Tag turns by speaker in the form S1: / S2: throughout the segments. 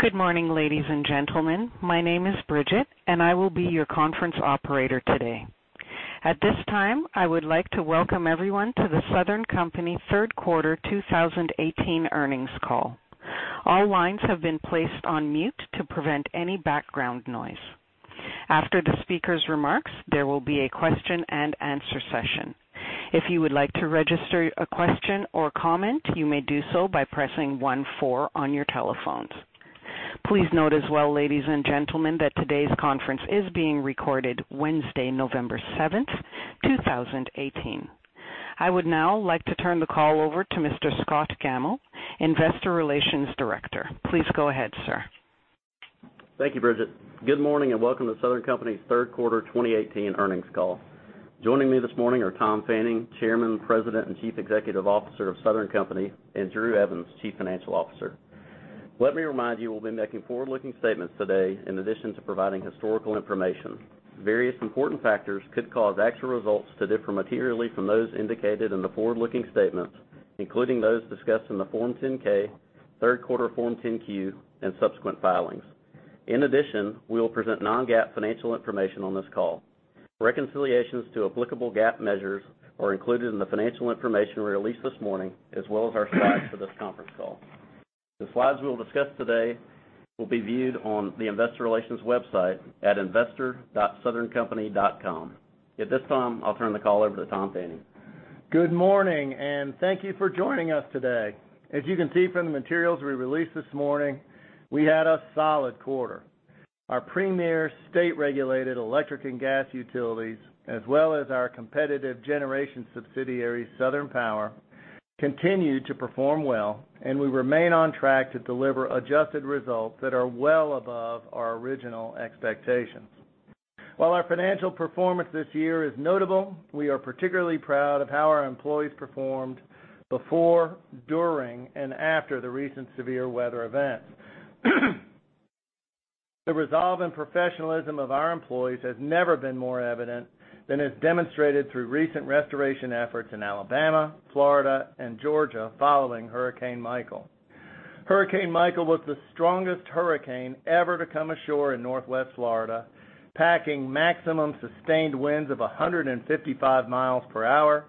S1: Good morning, ladies and gentlemen. My name is Bridget, and I will be your conference operator today. At this time, I would like to welcome everyone to The Southern Company third quarter 2018 earnings call. All lines have been placed on mute to prevent any background noise. After the speaker's remarks, there will be a question and answer session. If you would like to register a question or comment, you may do so by pressing one, four on your telephones. Please note as well, ladies and gentlemen, that today's conference is being recorded Wednesday, November 7th, 2018. I would now like to turn the call over to Mr. Scott Gammill, investor relations director. Please go ahead, sir.
S2: Thank you, Bridget. Good morning, and welcome to The Southern Company's third quarter 2018 earnings call. Joining me this morning are Tom Fanning, Chairman, President, and Chief Executive Officer of The Southern Company, and Drew Evans, Chief Financial Officer. Let me remind you, we'll be making forward-looking statements today in addition to providing historical information. Various important factors could cause actual results to differ materially from those indicated in the forward-looking statements, including those discussed in the Form 10-K, third quarter Form 10-Q, and subsequent filings. In addition, we will present non-GAAP financial information on this call. Reconciliations to applicable GAAP measures are included in the financial information we released this morning, as well as our slides for this conference call. The slides we'll discuss today will be viewed on the investor relations website at investor.southerncompany.com. At this time, I'll turn the call over to Tom Fanning.
S3: Good morning, and thank you for joining us today. As you can see from the materials we released this morning, we had a solid quarter. Our premier state-regulated electric and gas utilities, as well as our competitive generation subsidiary, Southern Power, continued to perform well, and we remain on track to deliver adjusted results that are well above our original expectations. While our financial performance this year is notable, we are particularly proud of how our employees performed before, during, and after the recent severe weather events. The resolve and professionalism of our employees has never been more evident than as demonstrated through recent restoration efforts in Alabama, Florida, and Georgia following Hurricane Michael. Hurricane Michael was the strongest hurricane ever to come ashore in Northwest Florida, packing maximum sustained winds of 155 miles per hour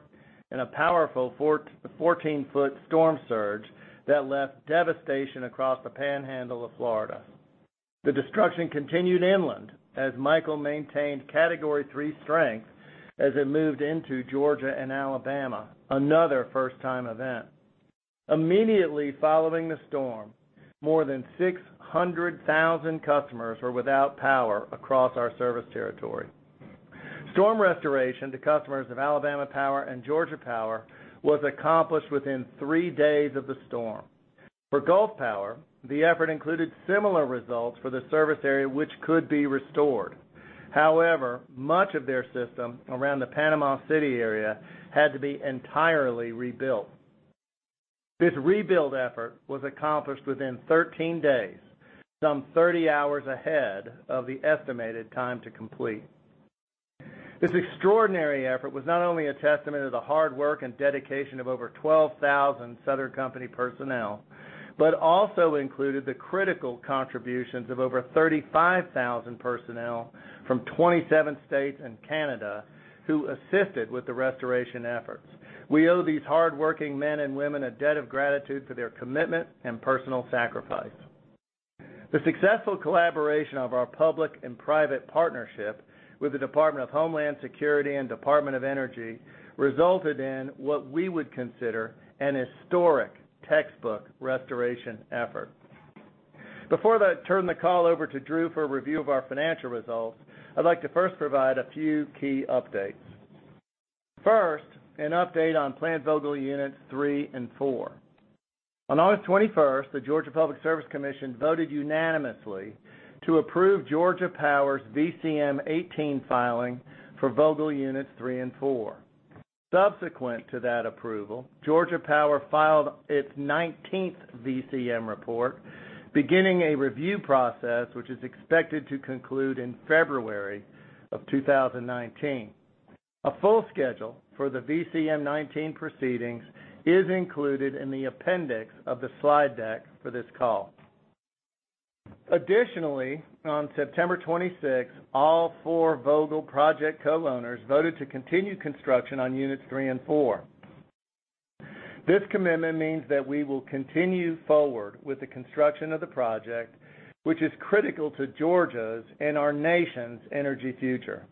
S3: and a powerful 14-foot storm surge that left devastation across the Panhandle of Florida. The destruction continued inland as Michael maintained category 3 strength as it moved into Georgia and Alabama, another first-time event. Immediately following the storm, more than 600,000 customers were without power across our service territory. Storm restoration to customers of Alabama Power and Georgia Power was accomplished within three days of the storm. For Gulf Power, the effort included similar results for the service area which could be restored. However, much of their system around the Panama City area had to be entirely rebuilt. This rebuild effort was accomplished within 13 days, some 30 hours ahead of the estimated time to complete. This extraordinary effort was not only a testament of the hard work and dedication of over 12,000 The Southern Company personnel, but also included the critical contributions of over 35,000 personnel from 27 states and Canada who assisted with the restoration efforts. We owe these hardworking men and women a debt of gratitude for their commitment and personal sacrifice. The successful collaboration of our public and private partnership with the Department of Homeland Security and Department of Energy resulted in what we would consider an historic textbook restoration effort. Before I turn the call over to Drew for a review of our financial results, I'd like to first provide a few key updates. First, an update on Vogtle Units 3 and 4. On August 21st, the Georgia Public Service Commission voted unanimously to approve Georgia Power's VCM 18 filing for Vogtle Units 3 and 4. Subsequent to that approval, Georgia Power filed its 19th VCM report, beginning a review process which is expected to conclude in February of 2019. A full schedule for the VCM 19 proceedings is included in the appendix of the slide deck for this call. Additionally, on September 26th, all four Vogtle project co-owners voted to continue construction on Units 3 and 4. This commitment means that we will continue forward with the construction of the project, which is critical to Georgia's and our nation's energy future.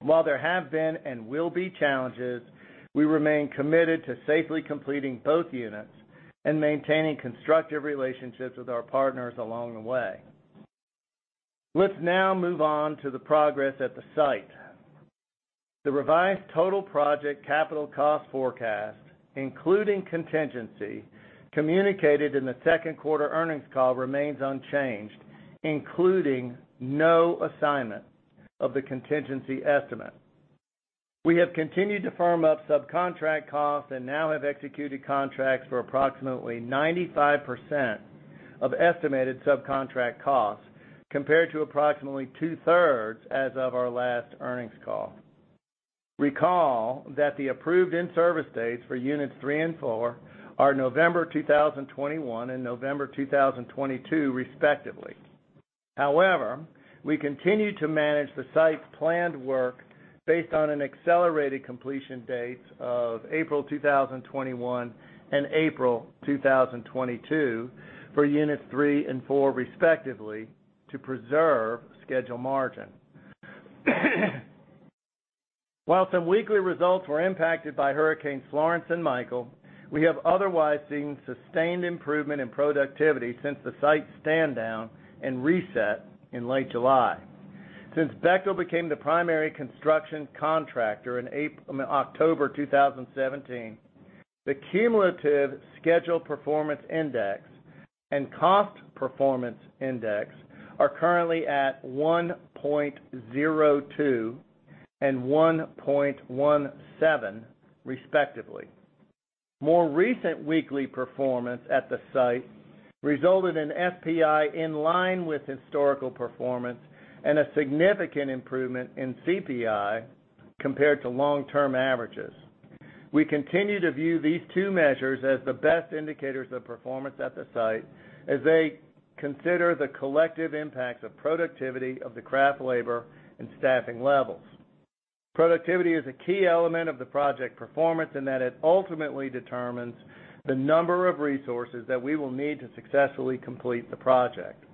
S3: While there have been and will be challenges, we remain committed to safely completing both units and maintaining constructive relationships with our partners along the way. Let's now move on to the progress at the site. The revised total project capital cost forecast, including contingency, communicated in the second quarter earnings call remains unchanged, including no assignment of the contingency estimate. We have continued to firm up subcontract costs and now have executed contracts for approximately 95% of estimated subcontract costs, compared to approximately two-thirds as of our last earnings call. Recall that the approved in-service dates for Units 3 and 4 are November 2021 and November 2022 respectively. However, we continue to manage the site's planned work based on an accelerated completion date of April 2021 and April 2022 for Units 3 and 4 respectively to preserve schedule margin. While some weekly results were impacted by Hurricane Florence and Hurricane Michael, we have otherwise seen sustained improvement in productivity since the site stand down and reset in late July. Since Bechtel became the primary construction contractor in October 2017, the cumulative Schedule Performance Index and Cost Performance Index are currently at 1.02 and 1.17 respectively. More recent weekly performance at the site resulted in SPI in line with historical performance and a significant improvement in CPI compared to long-term averages. We continue to view these two measures as the best indicators of performance at the site as they consider the collective impacts of productivity of the craft labor and staffing levels. Productivity is a key element of the project performance in that it ultimately determines the number of resources that we will need to successfully complete the project.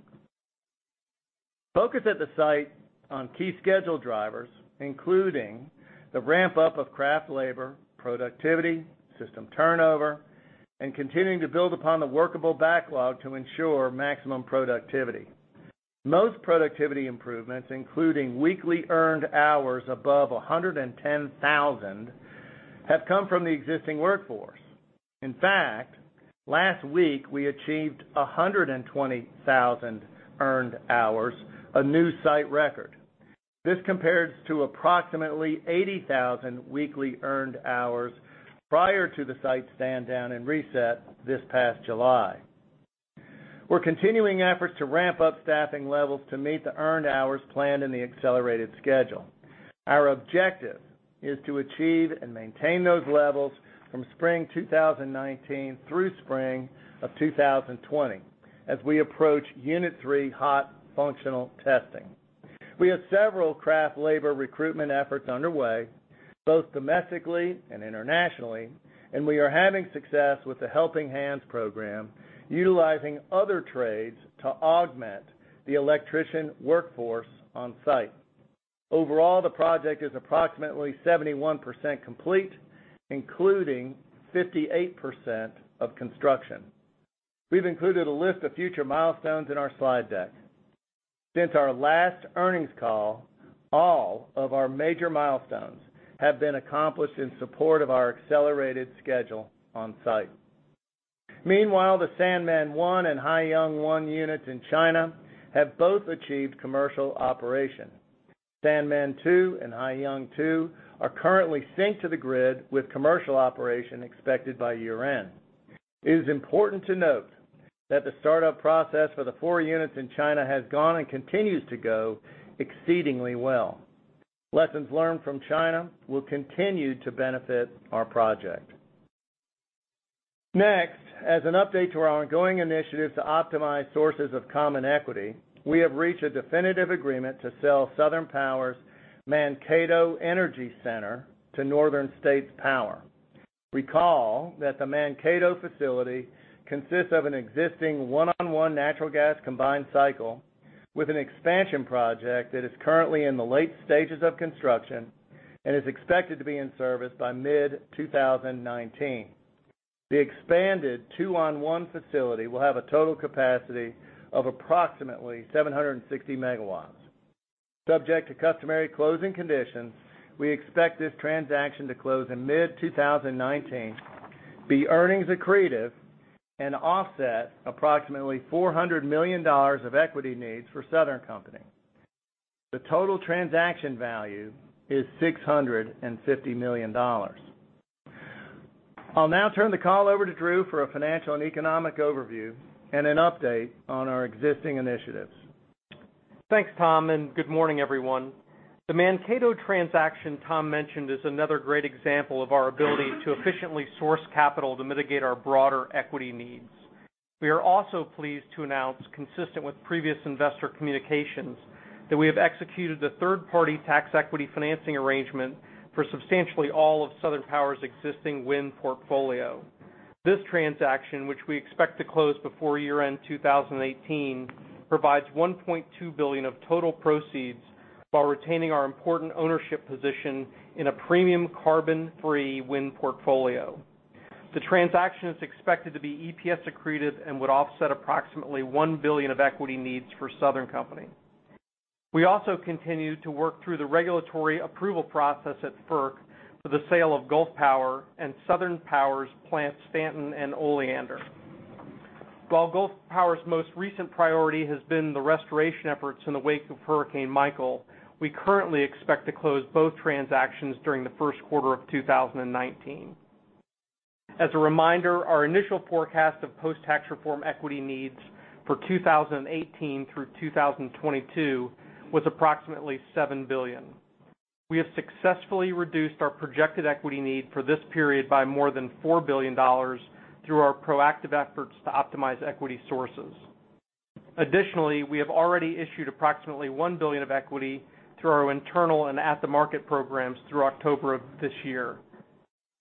S3: Focus at the site on key schedule drivers including the ramp-up of craft labor productivity, system turnover, and continuing to build upon the workable backlog to ensure maximum productivity. Most productivity improvements including weekly earned hours above 110,000 have come from the existing workforce. In fact, last week we achieved 120,000 earned hours, a new site record. This compares to approximately 80,000 weekly earned hours prior to the site stand down and reset this past July. We're continuing efforts to ramp up staffing levels to meet the earned hours planned in the accelerated schedule. Our objective is to achieve and maintain those levels from spring 2019 through spring of 2020 as we approach Unit 3 hot functional testing. We have several craft labor recruitment efforts underway, both domestically and internationally, and we are having success with the Helping Hands program, utilizing other trades to augment the electrician workforce on-site. Overall, the project is approximately 71% complete, including 58% of construction. We've included a list of future milestones in our slide deck. Since our last earnings call, all of our major milestones have been accomplished in support of our accelerated schedule on site. Meanwhile, the Sanmen 1 and Haiyang 1 units in China have both achieved commercial operation. Sanmen 2 and Haiyang 2 are currently synced to the grid with commercial operation expected by year-end. It is important to note that the startup process for the four units in China has gone and continues to go exceedingly well. Lessons learned from China will continue to benefit our project. As an update to our ongoing initiatives to optimize sources of common equity, we have reached a definitive agreement to sell Southern Power's Mankato Energy Center to Northern States Power. Recall that the Mankato facility consists of an existing one-on-one natural gas combined cycle with an expansion project that is currently in the late stages of construction and is expected to be in service by mid-2019. The expanded two-on-one facility will have a total capacity of approximately 760 MW. Subject to customary closing conditions, we expect this transaction to close in mid-2019, be earnings accretive, and offset approximately $400 million of equity needs for Southern Company. The total transaction value is $650 million. I'll now turn the call over to Drew for a financial and economic overview and an update on our existing initiatives.
S4: Thanks, Tom, and good morning, everyone. The Mankato transaction Tom mentioned is another great example of our ability to efficiently source capital to mitigate our broader equity needs. We are also pleased to announce, consistent with previous investor communications, that we have executed a third-party tax equity financing arrangement for substantially all of Southern Power's existing wind portfolio. This transaction, which we expect to close before year-end 2018, provides $1.2 billion of total proceeds while retaining our important ownership position in a premium carbon-free wind portfolio. The transaction is expected to be EPS accretive and would offset approximately $1 billion of equity needs for Southern Company. We also continue to work through the regulatory approval process at FERC for the sale of Gulf Power and Southern Power's Plant Stanton and Oleander. Gulf Power's most recent priority has been the restoration efforts in the wake of Hurricane Michael, we currently expect to close both transactions during the first quarter of 2019. As a reminder, our initial forecast of post-tax reform equity needs for 2018 through 2022 was approximately $7 billion. We have successfully reduced our projected equity need for this period by more than $4 billion through our proactive efforts to optimize equity sources. We have already issued approximately $1 billion of equity through our internal and at-the-market programs through October of this year.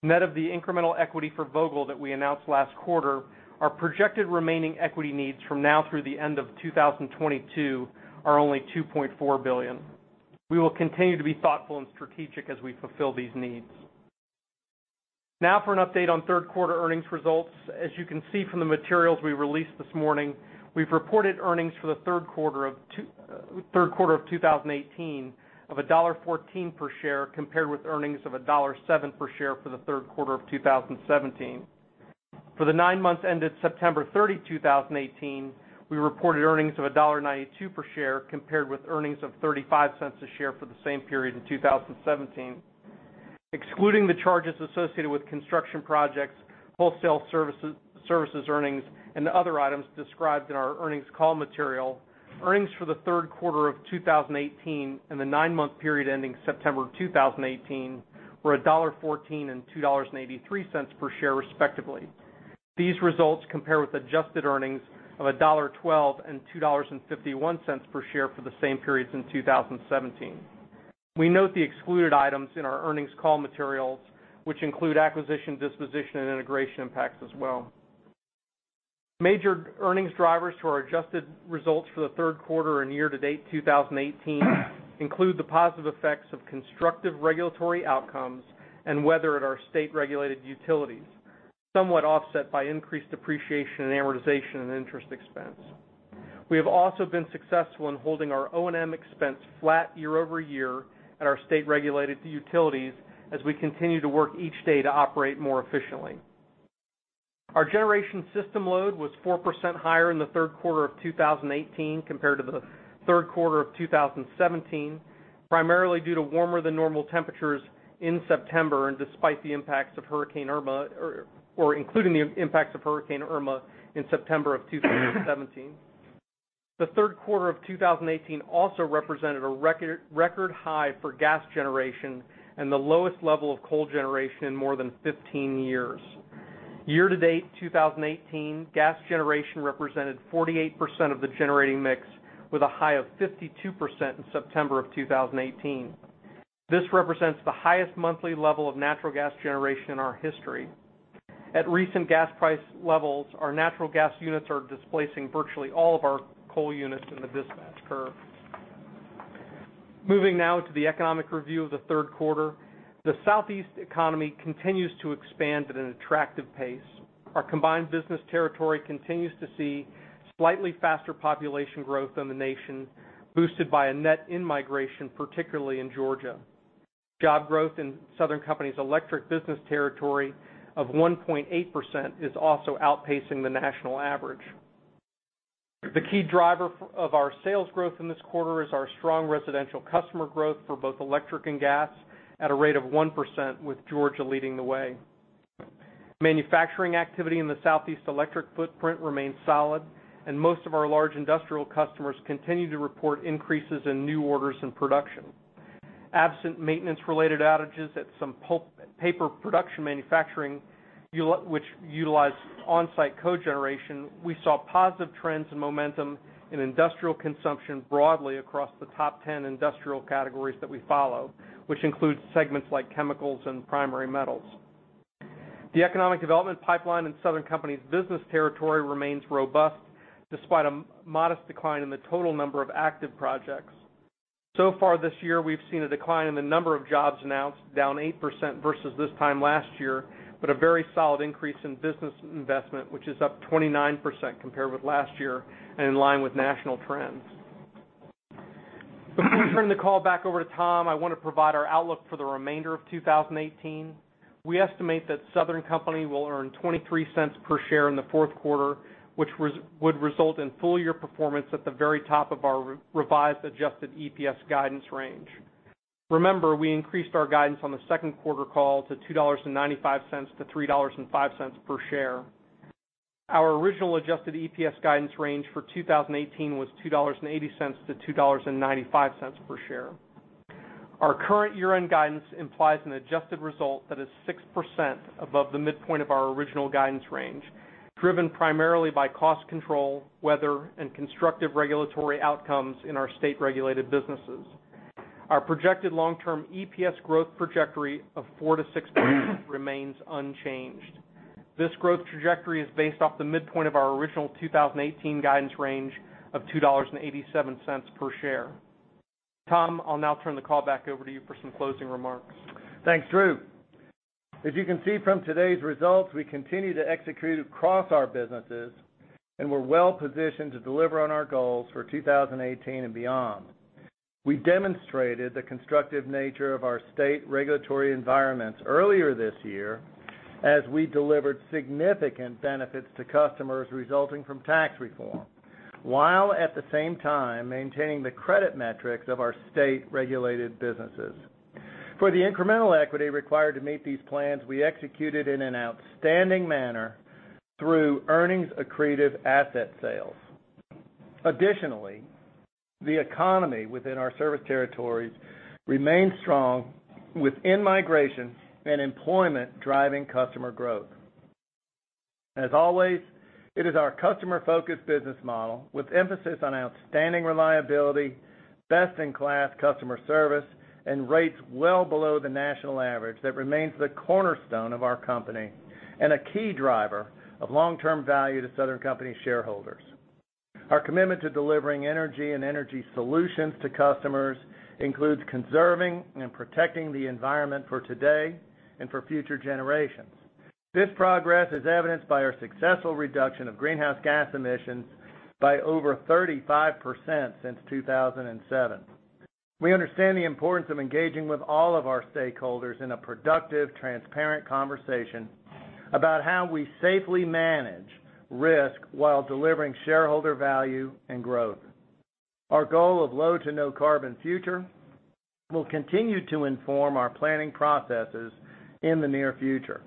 S4: Net of the incremental equity for Vogtle that we announced last quarter, our projected remaining equity needs from now through the end of 2022 are only $2.4 billion. We will continue to be thoughtful and strategic as we fulfill these needs. For an update on third-quarter earnings results. As you can see from the materials we released this morning, we've reported earnings for the third quarter of 2018 of $1.14 per share, compared with earnings of $1.07 per share for the third quarter of 2017. For the nine months ended September 30, 2018, we reported earnings of $1.92 per share, compared with earnings of $0.35 a share for the same period in 2017. Excluding the charges associated with construction projects, wholesale services earnings, and the other items described in our earnings call material, earnings for the third quarter of 2018 and the nine-month period ending September 2018 were $1.14 and $2.83 per share, respectively. These results compare with adjusted earnings of $1.12 and $2.51 per share for the same periods in 2017. We note the excluded items in our earnings call materials, which include acquisition, disposition, and integration impacts as well. Major earnings drivers to our adjusted results for the third quarter and year-to-date 2018 include the positive effects of constructive regulatory outcomes and weather at our state-regulated utilities, somewhat offset by increased depreciation and amortization and interest expense. We have also been successful in holding our O&M expense flat year-over-year at our state-regulated utilities as we continue to work each day to operate more efficiently. Our generation system load was 4% higher in the third quarter of 2018 compared to the third quarter of 2017, primarily due to warmer than normal temperatures in September and despite the impacts of Hurricane Irma or including the impacts of Hurricane Irma in September of 2017. The third quarter of 2018 also represented a record high for gas generation and the lowest level of coal generation in more than 15 years. Year-to-date 2018, gas generation represented 48% of the generating mix, with a high of 52% in September of 2018. This represents the highest monthly level of natural gas generation in our history. At recent gas price levels, our natural gas units are displacing virtually all of our coal units in the dispatch curve. Moving now to the economic review of the third quarter. The Southeast economy continues to expand at an attractive pace. Our combined business territory continues to see slightly faster population growth than the nation, boosted by a net in-migration, particularly in Georgia. Job growth in Southern Company's electric business territory of 1.8% is also outpacing the national average. The key driver of our sales growth in this quarter is our strong residential customer growth for both electric and gas at a rate of 1%, with Georgia leading the way. Manufacturing activity in the Southeast electric footprint remains solid, and most of our large industrial customers continue to report increases in new orders and production. Absent maintenance-related outages at some paper production manufacturing, which utilize on-site cogeneration, we saw positive trends and momentum in industrial consumption broadly across the top 10 industrial categories that we follow, which includes segments like chemicals and primary metals. The economic development pipeline in Southern Company's business territory remains robust, despite a modest decline in the total number of active projects. So far this year, we've seen a decline in the number of jobs announced, down 8% versus this time last year, but a very solid increase in business investment, which is up 29% compared with last year and in line with national trends. Before I turn the call back over to Tom, I want to provide our outlook for the remainder of 2018. We estimate that Southern Company will earn $0.23 per share in the fourth quarter, which would result in full-year performance at the very top of our revised adjusted EPS guidance range. Remember, we increased our guidance on the second quarter call to $2.95-$3.05 per share. Our original adjusted EPS guidance range for 2018 was $2.80-$2.95 per share. Our current year-end guidance implies an adjusted result that is 6% above the midpoint of our original guidance range, driven primarily by cost control, weather, and constructive regulatory outcomes in our state-regulated businesses. Our projected long-term EPS growth trajectory of 4%-6% remains unchanged. This growth trajectory is based off the midpoint of our original 2018 guidance range of $2.87 per share. Tom, I'll now turn the call back over to you for some closing remarks.
S3: Thanks, Drew. As you can see from today's results, we continue to execute across our businesses, and we're well-positioned to deliver on our goals for 2018 and beyond. We demonstrated the constructive nature of our state regulatory environments earlier this year as we delivered significant benefits to customers resulting from tax reform. While at the same time maintaining the credit metrics of our state-regulated businesses. For the incremental equity required to meet these plans, we executed in an outstanding manner through earnings accretive asset sales. Additionally, the economy within our service territories remains strong with in-migration and employment driving customer growth. As always, it is our customer-focused business model with emphasis on outstanding reliability, best-in-class customer service, and rates well below the national average that remains the cornerstone of our company and a key driver of long-term value to Southern Company shareholders. Our commitment to delivering energy and energy solutions to customers includes conserving and protecting the environment for today and for future generations. This progress is evidenced by our successful reduction of greenhouse gas emissions by over 35% since 2007. We understand the importance of engaging with all of our stakeholders in a productive, transparent conversation about how we safely manage risk while delivering shareholder value and growth. Our goal of low to no carbon future will continue to inform our planning processes in the near future.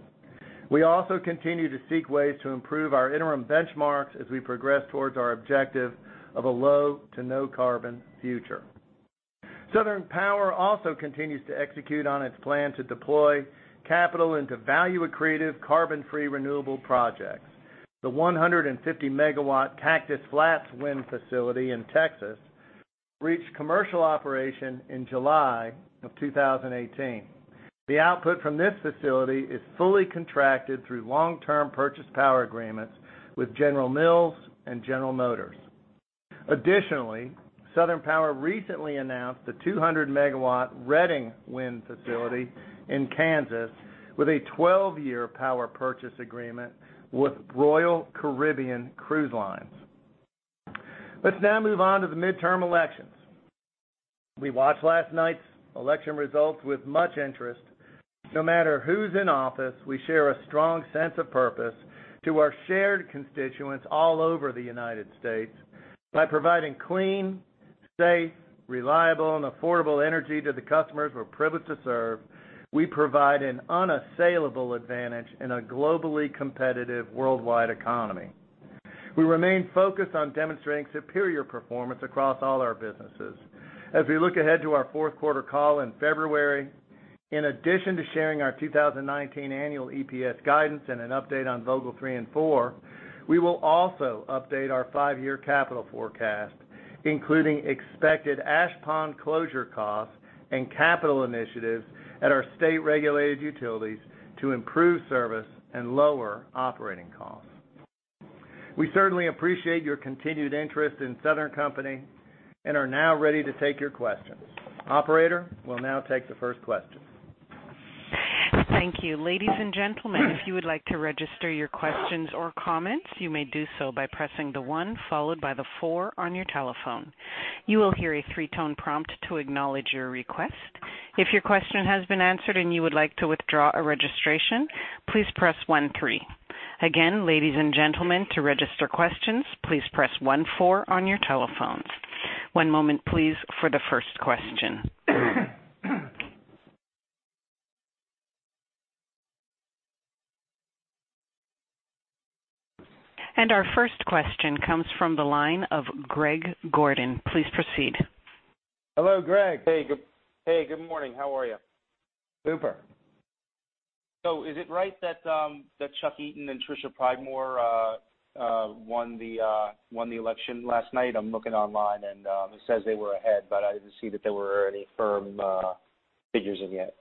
S3: We also continue to seek ways to improve our interim benchmarks as we progress towards our objective of a low to no carbon future. Southern Power also continues to execute on its plan to deploy capital into value-accretive carbon-free renewable projects. The 150-megawatt Cactus Flats wind facility in Texas reached commercial operation in July of 2018. The output from this facility is fully contracted through long-term purchase power agreements with General Mills and General Motors. Additionally, Southern Power recently announced the 200-megawatt Reading Wind facility in Kansas with a 12-year power purchase agreement with Royal Caribbean Cruise Lines. Let's now move on to the midterm elections. We watched last night's election results with much interest. No matter who's in office, we share a strong sense of purpose to our shared constituents all over the U.S. by providing clean, safe, reliable, and affordable energy to the customers we're privileged to serve. We provide an unassailable advantage in a globally competitive worldwide economy. We remain focused on demonstrating superior performance across all our businesses. As we look ahead to our fourth quarter call in February, in addition to sharing our 2019 annual EPS guidance and an update on Vogtle 3 and 4, we will also update our five-year capital forecast, including expected ash pond closure costs and capital initiatives at our state-regulated utilities to improve service and lower operating costs. We certainly appreciate your continued interest in Southern Company and are now ready to take your questions. Operator, we will now take the first question.
S1: Thank you. Ladies and gentlemen, if you would like to register your questions or comments, you may do so by pressing the one followed by the four on your telephone. You will hear a three-tone prompt to acknowledge your request. If your question has been answered and you would like to withdraw a registration, please press one, three. Again, ladies and gentlemen, to register questions, please press one, four on your telephones. One moment please for the first question. Our first question comes from the line of Greg Gordon. Please proceed.
S3: Hello, Greg. Hey, good morning. How are you?
S5: Is it right that Chuck Eaton and Tricia Pridemore won the election last night? I am looking online, and it says they were ahead, but I did not see that there were any firm figures in yet.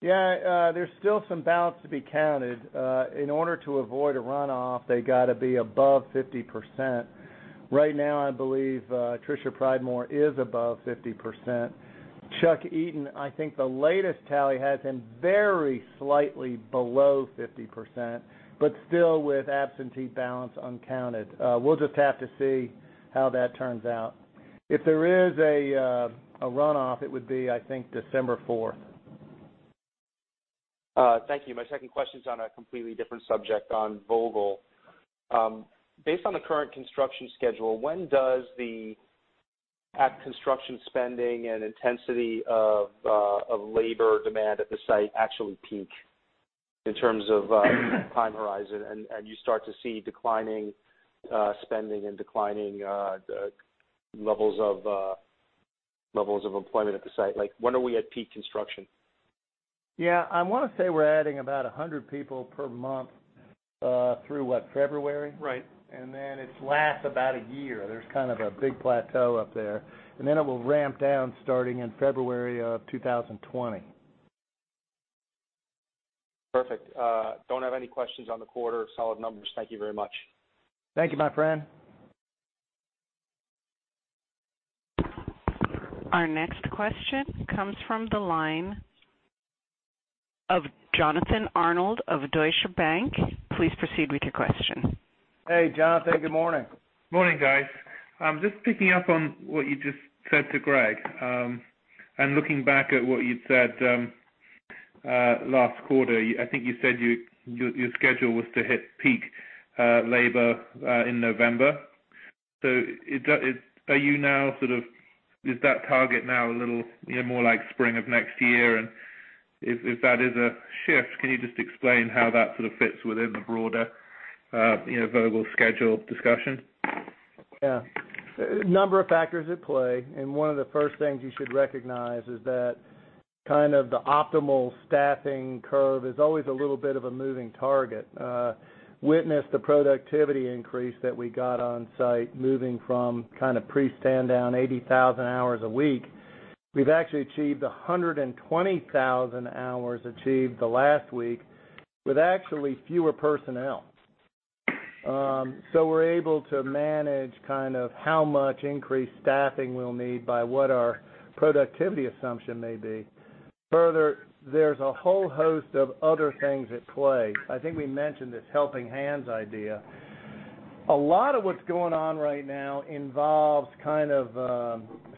S3: Yeah. There's still some ballots to be counted. In order to avoid a runoff, they got to be above 50%. Right now, I believe Tricia Pridemore is above 50%. Chuck Eaton, I think the latest tally has him very slightly below 50%, but still with absentee ballots uncounted. We'll just have to see how that turns out. If there is a runoff, it would be, I think, December 4th.
S5: Thank you. My second question's on a completely different subject on Vogtle. Based on the current construction schedule, when does the at-construction spending and intensity of labor demand at the site actually peak in terms of time horizon, and you start to see declining spending and declining levels of employment at the site? When are we at peak construction?
S3: Yeah. I want to say we're adding about 100 people per month through what, February?
S5: Right.
S3: Then it lasts about a year. There's kind of a big plateau up there. Then it will ramp down starting in February of 2020.
S5: Perfect. Don't have any questions on the quarter. Solid numbers. Thank you very much.
S3: Thank you, my friend.
S1: Our next question comes from the line of Jonathan Arnold of Deutsche Bank. Please proceed with your question.
S3: Hey, Jonathan. Good morning.
S6: Morning, guys. Just picking up on what you just said to Greg, looking back at what you'd said last quarter, I think you said your schedule was to hit peak labor in November. Is that target now a little more like spring of next year? If that is a shift, can you just explain how that fits within the broader Vogtle schedule discussion?
S3: Yeah. A number of factors at play, one of the first things you should recognize is that the optimal staffing curve is always a little bit of a moving target. Witness the productivity increase that we got on site moving from pre-stand down 80,000 hours a week. We've actually achieved 120,000 hours the last week with actually fewer personnel. We're able to manage how much increased staffing we'll need by what our productivity assumption may be. Further, there's a whole host of other things at play. I think we mentioned this Helping Hands idea. A lot of what's going on right now involves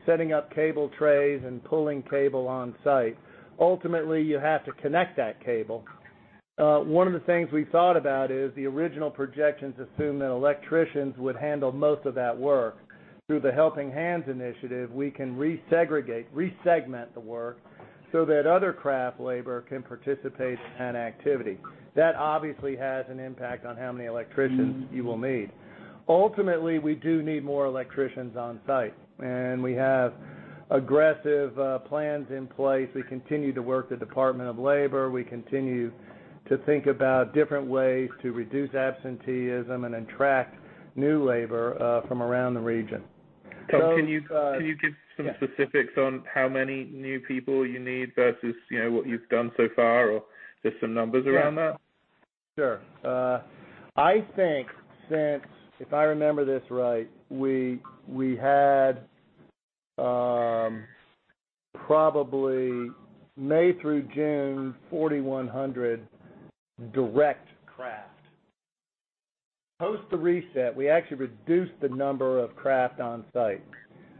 S3: setting up cable trays and pulling cable on site. Ultimately, you have to connect that cable. One of the things we thought about is the original projections assume that electricians would handle most of that work. Through the Helping Hands initiative, we can re-segment the work so that other craft labor can participate in that activity. That obviously has an impact on how many electricians you will need. Ultimately, we do need more electricians on site, we have aggressive plans in place. We continue to work with the Department of Labor. We continue to think about different ways to reduce absenteeism and attract new labor from around the region.
S6: Tom, can you give some specifics on how many new people you need versus what you've done so far or just some numbers around that?
S3: Sure. I think since, if I remember this right, we had probably May through June, 4,100 direct craft. Post the reset, we actually reduced the number of craft on site.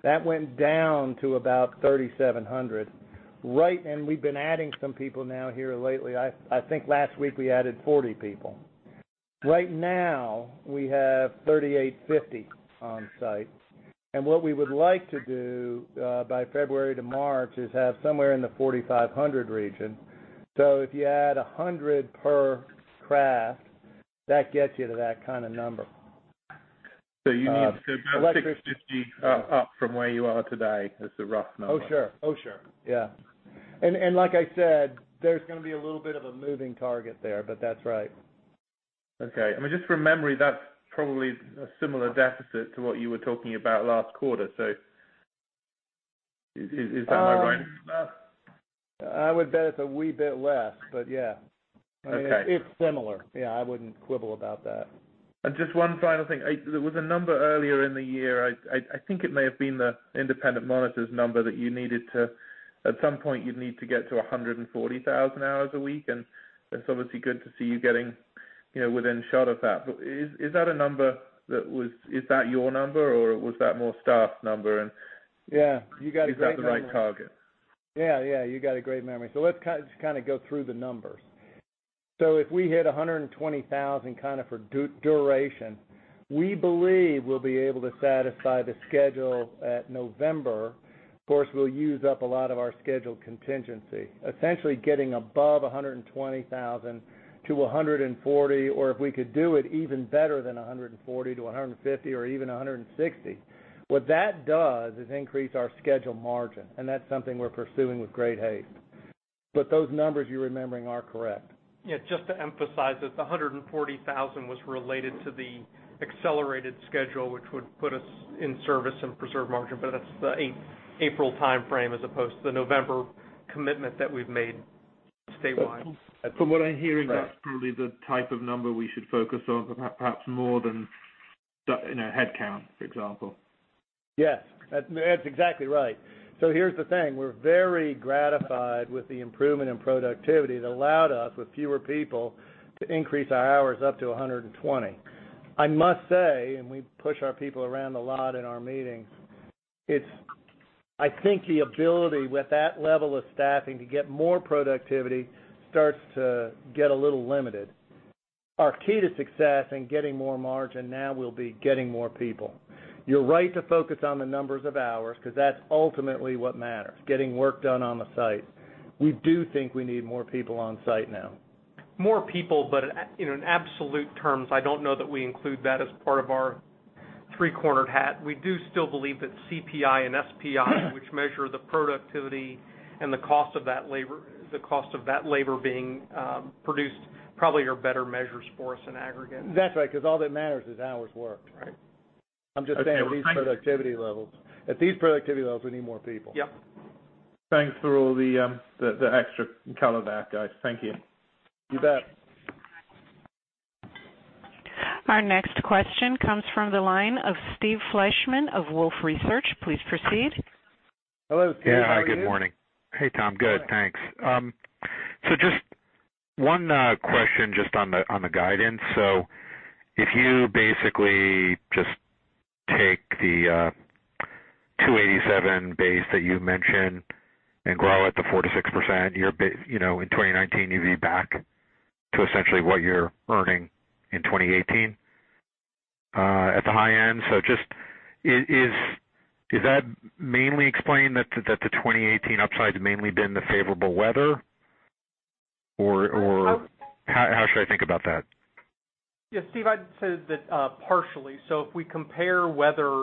S3: That went down to about 3,700. We've been adding some people now here lately. I think last week we added 40 people. Right now, we have 3,850 on site. What we would like to do by February to March is have somewhere in the 4,500 region. So if you add 100 per craft, that gets you to that kind of number.
S6: You need about 650 up from where you are today is the rough number.
S3: Sure. Yeah. Like I said, there's going to be a little bit of a moving target there, but that's right.
S6: Okay. Just from memory, that's probably a similar deficit to what you were talking about last quarter. Is that right?
S3: I would bet it's a wee bit less, but yeah.
S6: Okay.
S3: It's similar. Yeah, I wouldn't quibble about that.
S6: Just one final thing. There was a number earlier in the year, I think it may have been the independent monitor's number, that at some point you'd need to get to 140,000 hours a week, and it's obviously good to see you getting within shot of that. Is that your number, or was that more staff's number?
S3: Yeah. You got a great memory.
S6: Is that the right target?
S3: Yeah. You got a great memory. Let's just go through the numbers. If we hit 120,000 for duration, we believe we'll be able to satisfy the schedule at November. Of course, we'll use up a lot of our scheduled contingency, essentially getting above 120,000 to 140, or if we could do it even better than 140 to 150 or even 160. What that does is increase our schedule margin, and that's something we're pursuing with great haste. Those numbers you're remembering are correct.
S4: Yeah, just to emphasize that the 140,000 was related to the accelerated schedule, which would put us in service and preserve margin, that's the April timeframe as opposed to the November commitment that we've made statewide.
S6: From what I'm hearing, that's probably the type of number we should focus on perhaps more than headcount, for example.
S3: Yes. That's exactly right. Here's the thing. We're very gratified with the improvement in productivity that allowed us with fewer people to increase our hours up to 120. I must say, we push our people around a lot in our meetings, I think the ability with that level of staffing to get more productivity starts to get a little limited. Our key to success in getting more margin now will be getting more people. You're right to focus on the numbers of hours because that's ultimately what matters, getting work done on the site. We do think we need more people on site now.
S4: More people, in absolute terms, I don't know that we include that as part of our three-cornered hat. We do still believe that CPI and SPI, which measure the productivity and the cost of that labor being produced probably are better measures for us in aggregate.
S3: That's right, all that matters is hours worked, right?
S4: Right.
S3: I'm just saying at these productivity levels, we need more people.
S4: Yep.
S6: Thanks for all the extra color there, guys. Thank you.
S3: You bet.
S1: Our next question comes from the line of Steven Fleishman of Wolfe Research. Please proceed.
S3: Hello, Steve. How are you?
S7: Good morning. Hey, Tom. Good, thanks. Just one question just on the guidance. If you basically just take the $2.87 base that you mentioned and grow it to 4%-6%. In 2019, you'd be back to essentially what you're earning in 2018 at the high end. Does that mainly explain that the 2018 upside's mainly been the favorable weather? How should I think about that?
S4: Steven, I'd say that partially. If we compare weather,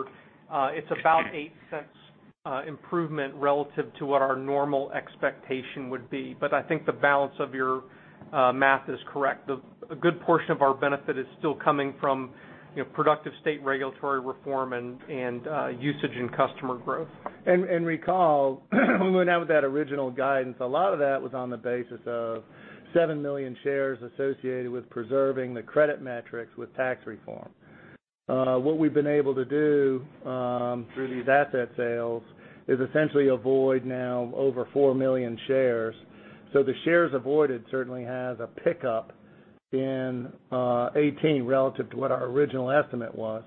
S4: it's about $0.08 improvement relative to what our normal expectation would be. I think the balance of your math is correct. A good portion of our benefit is still coming from productive state regulatory reform and usage and customer growth.
S3: Recall, when we went out with that original guidance, a lot of that was on the basis of 7 million shares associated with preserving the credit metrics with tax reform. What we've been able to do through these asset sales is essentially avoid now over 4 million shares. The shares avoided certainly has a pickup in 2018 relative to what our original estimate was.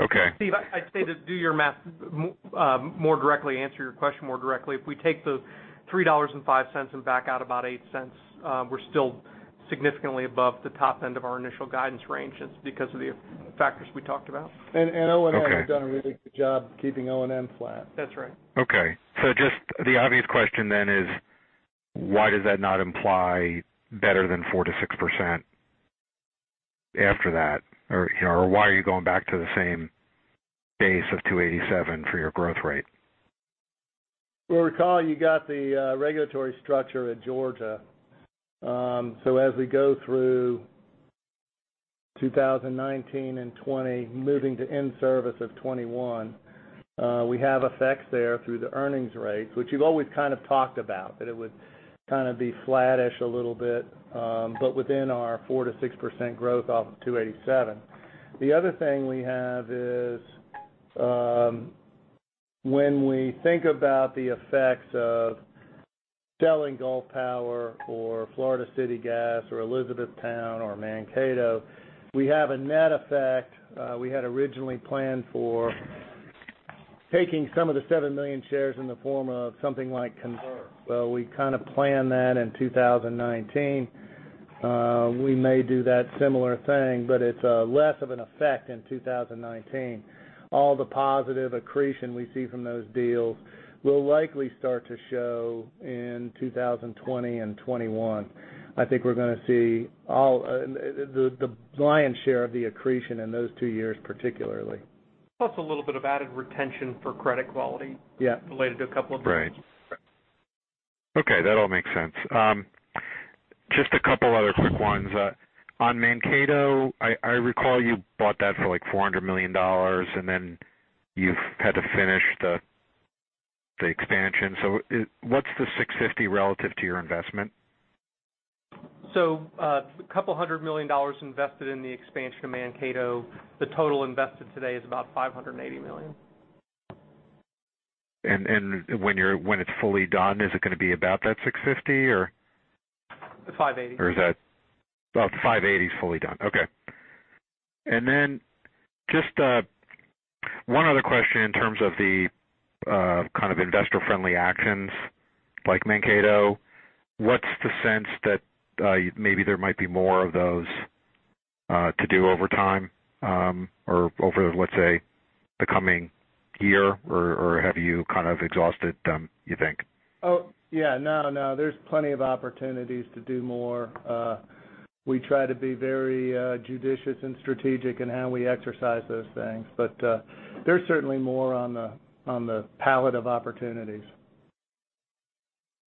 S7: Okay.
S4: Steven, I'd say to do your math more directly, answer your question more directly. If we take the $3.05 and back out about $0.08, we're still significantly above the top end of our initial guidance range. It's because of the factors we talked about.
S3: O&M-
S7: Okay
S3: has done a really good job keeping O&M flat.
S4: That's right.
S7: Okay. just the obvious question then is why does that not imply better than 4%-6% after that? why are you going back to the same base of 287 for your growth rate?
S3: Recall you got the regulatory structure at Georgia. As we go through 2019 and 2020, moving to in-service of 2021, we have effects there through the earnings rates, which you've always kind of talked about, that it would kind of be flattish a little bit, but within our 4%-6% growth off of 287. The other thing we have is when we think about the effects of selling Gulf Power or Florida City Gas or Elizabethtown Gas or Mankato Energy Center, we have a net effect. We had originally planned for taking some of the 7 million shares in the form of something like convertibles. We kind of planned that in 2019. We may do that similar thing, but it's less of an effect in 2019. All the positive accretion we see from those deals will likely start to show in 2020 and 2021. I think we're going to see the lion's share of the accretion in those two years, particularly.
S4: A little bit of added retention for credit quality.
S3: Yeah
S4: related to a couple of them.
S7: Right. Okay, that all makes sense. Just a couple other quick ones. On Mankato, I recall you bought that for like $400 million. Then you've had to finish the expansion. What's the $650 relative to your investment?
S4: A couple of hundred million dollars invested in the expansion of Mankato. The total invested today is about $580 million.
S7: When it's fully done, is it going to be about that $650 or?
S4: The $580.
S7: About the 580 is fully done. Okay. Just one other question in terms of the kind of investor-friendly actions like Mankato. What's the sense that maybe there might be more of those to do over time or over, let's say, the coming year, or have you kind of exhausted them, you think?
S3: Oh, yeah. No, there's plenty of opportunities to do more. We try to be very judicious and strategic in how we exercise those things. There's certainly more on the palette of opportunities.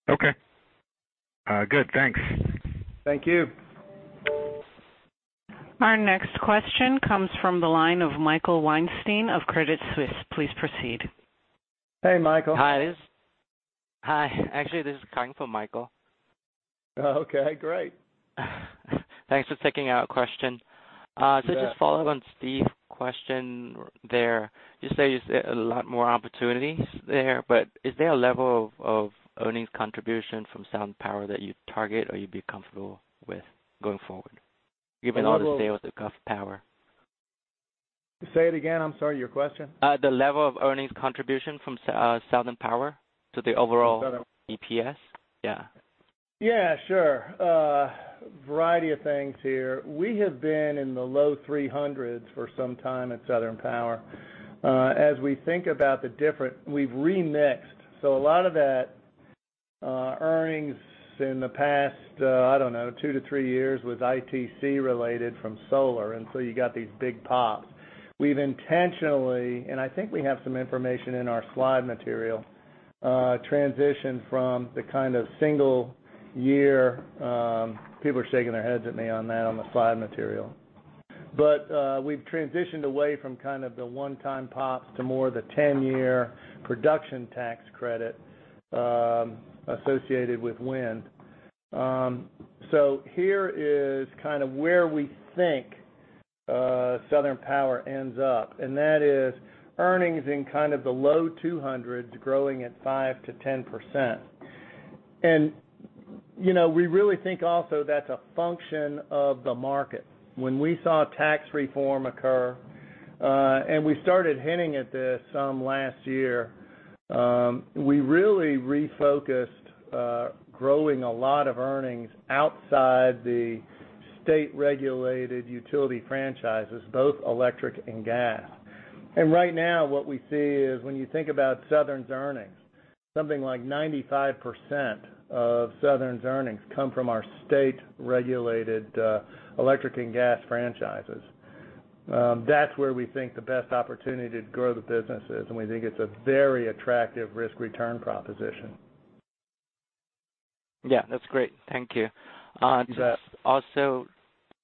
S7: Okay. Good. Thanks.
S3: Thank you.
S1: Our next question comes from the line of Michael Weinstein of Credit Suisse. Please proceed.
S3: Hey, Michael.
S8: Hi. Actually, this is Kaiqu for Michael.
S3: Okay, great.
S8: Thanks for taking our question.
S3: You bet.
S8: Just to follow on Steve's question there. You say there's a lot more opportunities there, but is there a level of earnings contribution from Southern Power that you target or you'd be comfortable with going forward, given all the sales of Gulf Power?
S3: Say it again. I'm sorry, your question.
S8: The level of earnings contribution from Southern Power to the overall.
S3: Southern
S8: EPS. Yeah.
S3: Yeah, sure. A variety of things here. We have been in the low $300s for some time at Southern Power. As we think about the different, we've remixed, so a lot of that earnings in the past, I don't know, two to three years, was ITC-related from solar, so you got these big pops. We've intentionally, and I think we have some information in our slide material, transitioned from the kind of single year. People are shaking their heads at me on that on the slide material. We've transitioned away from kind of the one-time pops to more the 10-year production tax credit associated with wind. So here is kind of where we think Southern Power ends up, and that is earnings in kind of the low $200s, growing at 5%-10%. We really think also that's a function of the market. When we saw tax reform occur, and we started hinting at this some last year, we really refocused growing a lot of earnings outside the state-regulated utility franchises, both electric and gas. Right now what we see is when you think about Southern's earnings, something like 95% of Southern's earnings come from our state-regulated electric and gas franchises. That's where we think the best opportunity to grow the business is, and we think it's a very attractive risk-return proposition.
S8: Yeah, that's great. Thank you.
S3: You bet.
S8: Also,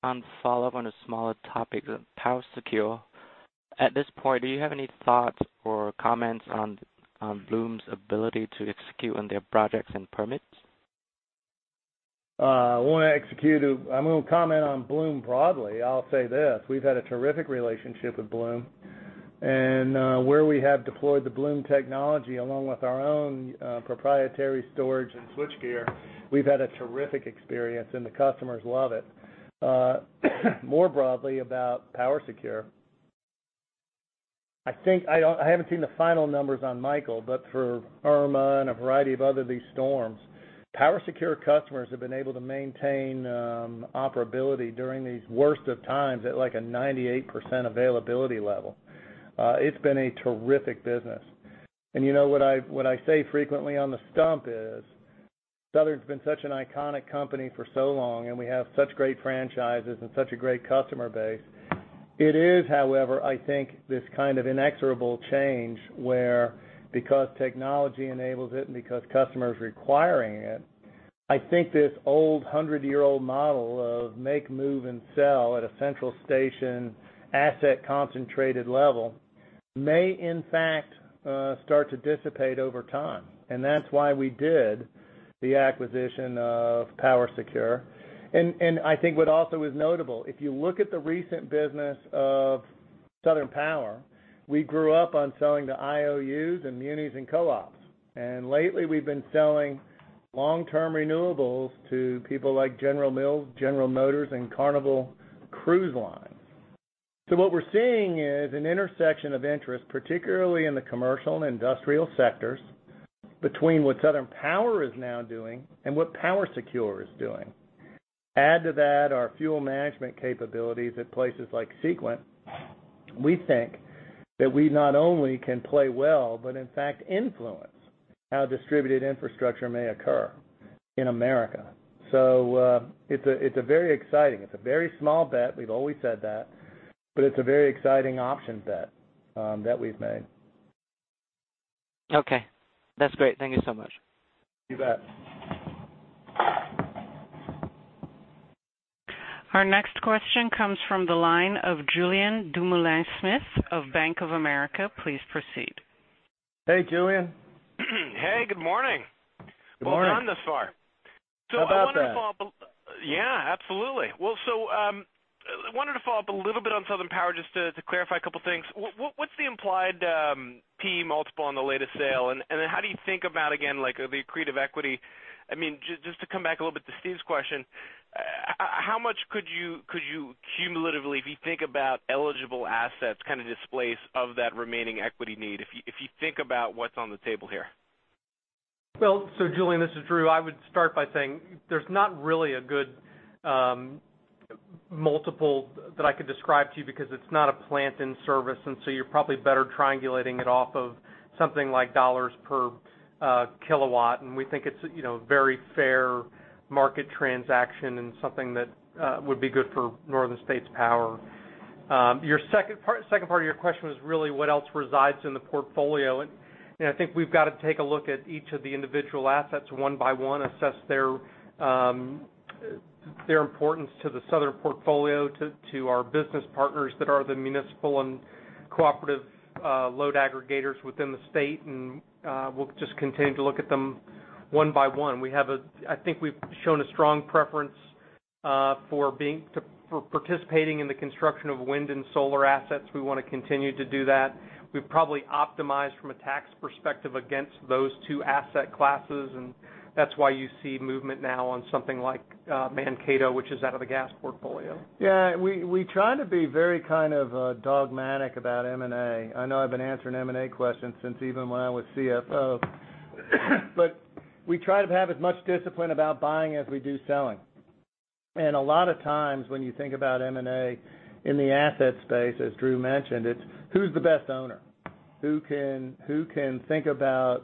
S8: on follow-up on a smaller topic of PowerSecure. At this point, do you have any thoughts or comments on Bloom's ability to execute on their projects and permits?
S3: I'm going to comment on Bloom broadly. I'll say this, we've had a terrific relationship with Bloom, and where we have deployed the Bloom technology along with our own proprietary storage and switchgear, we've had a terrific experience, and the customers love it. More broadly about PowerSecure, I haven't seen the final numbers on Michael, but for Irma and a variety of other these storms, PowerSecure customers have been able to maintain operability during these worst of times at a 98% availability level. It's been a terrific business. You know what I say frequently on the stump is, Southern's been such an iconic company for so long, and we have such great franchises and such a great customer base. It is, however, I think, this kind of inexorable change where because technology enables it and because customers requiring it, I think this old 100-year-old model of make, move, and sell at a central station asset concentrated level may in fact start to dissipate over time. That's why we did the acquisition of PowerSecure. I think what also is notable, if you look at the recent business of Southern Power, we grew up on selling to IOUs and munis and co-ops. Lately we've been selling long-term renewables to people like General Mills, General Motors, and Carnival Cruise Line. What we're seeing is an intersection of interest, particularly in the commercial and industrial sectors, between what Southern Power is now doing and what PowerSecure is doing. Add to that our fuel management capabilities at places like Sequent Energy Management, we think that we not only can play well, but in fact influence how distributed infrastructure may occur in America. It's very exciting. It's a very small bet, we've always said that, but it's a very exciting option bet that we've made.
S8: Okay. That's great. Thank you so much.
S3: You bet.
S1: Our next question comes from the line of Julien Dumoulin-Smith of Bank of America. Please proceed.
S3: Hey, Julien.
S9: Hey, good morning.
S3: Morning.
S9: Well done thus far.
S3: How about that?
S9: Yeah, absolutely. Well, I wanted to follow up a little bit on Southern Power, just to clarify a couple things. What's the implied PE multiple on the latest sale? How do you think about, again, the accretive equity? Just to come back a little bit to Steve's question, how much could you cumulatively, if you think about eligible assets, kind of displace of that remaining equity need, if you think about what's on the table here?
S4: Well, Julien, this is Drew. I would start by saying there's not really a good multiple that I could describe to you because it's not a plant in service, you're probably better triangulating it off of something like $ per kilowatt, and we think it's a very fair market transaction and something that would be good for Northern States Power. Your second part of your question was really what else resides in the portfolio, and I think we've got to take a look at each of the individual assets one by one, assess their importance to the Southern portfolio, to our business partners that are the municipal and cooperative load aggregators within the state, and we'll just continue to look at them one by one. I think we've shown a strong preference for participating in the construction of wind and solar assets.
S3: We want to continue to do that. We've probably optimized from a tax perspective against those two asset classes, and that's why you see movement now on something like Mankato, which is out of the gas portfolio. Yeah. We try to be very kind of dogmatic about M&A. I know I've been answering M&A questions since even when I was CFO. We try to have as much discipline about buying as we do selling. A lot of times when you think about M&A in the asset space, as Drew mentioned, it's who's the best owner? Who can think about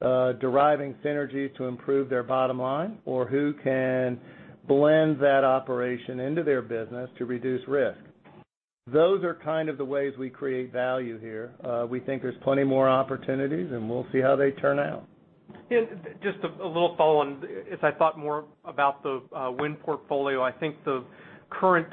S3: deriving synergies to improve their bottom line, or who can blend that operation into their business to reduce risk? Those are kind of the ways we create value here. We think there's plenty more opportunities, and we'll see how they turn out.
S4: Yeah. Just a little follow-on. As I thought more about the wind portfolio, I think the current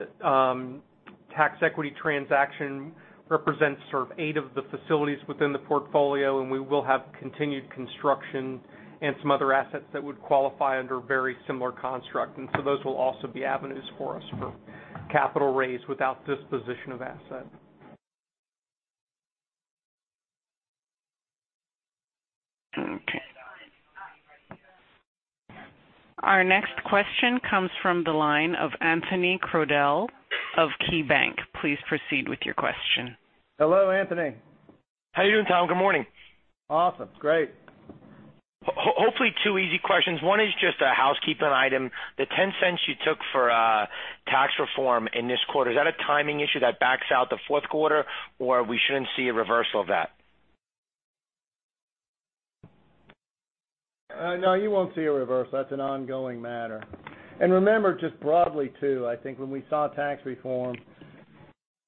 S4: tax equity transaction represents sort of eight of the facilities within the portfolio, and we will have continued construction and some other assets that would qualify under very similar construct. So those will also be avenues for us for capital raise without disposition of asset.
S1: Okay. Our next question comes from the line of Anthony Crowdell of KeyBank. Please proceed with your question.
S3: Hello, Anthony.
S10: How you doing, Tom? Good morning.
S3: Awesome. Great.
S10: Hopefully two easy questions. One is just a housekeeping item. The $0.10 you took for tax reform in this quarter, is that a timing issue that backs out the fourth quarter, or we shouldn't see a reversal of that?
S3: No, you won't see a reversal. That's an ongoing matter. Remember, just broadly too, I think when we saw tax reform,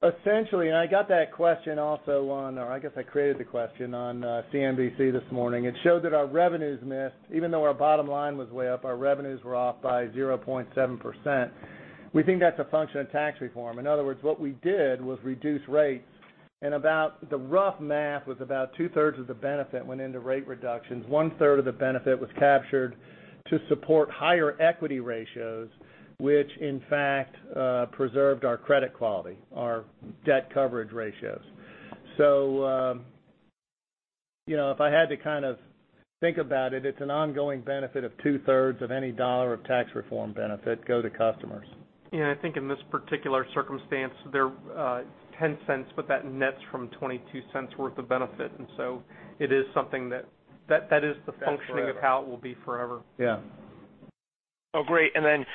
S3: essentially, I guess I created the question on CNBC this morning. It showed that our revenues missed. Even though our bottom line was way up, our revenues were off by 0.7%. We think that's a function of tax reform. In other words, what we did was reduce rates, and the rough math was about two-thirds of the benefit went into rate reductions. One-third of the benefit was captured to support higher equity ratios, which in fact preserved our credit quality, our debt coverage ratios. If I had to think about it's an ongoing benefit of two-thirds of any dollar of tax reform benefit go to customers.
S4: Yeah, I think in this particular circumstance, they're $0.10, but that nets from $0.22 worth of benefit. It is something that is the functioning.
S3: That's forever
S4: of how it will be forever.
S3: Yeah.
S10: Oh, great. Then,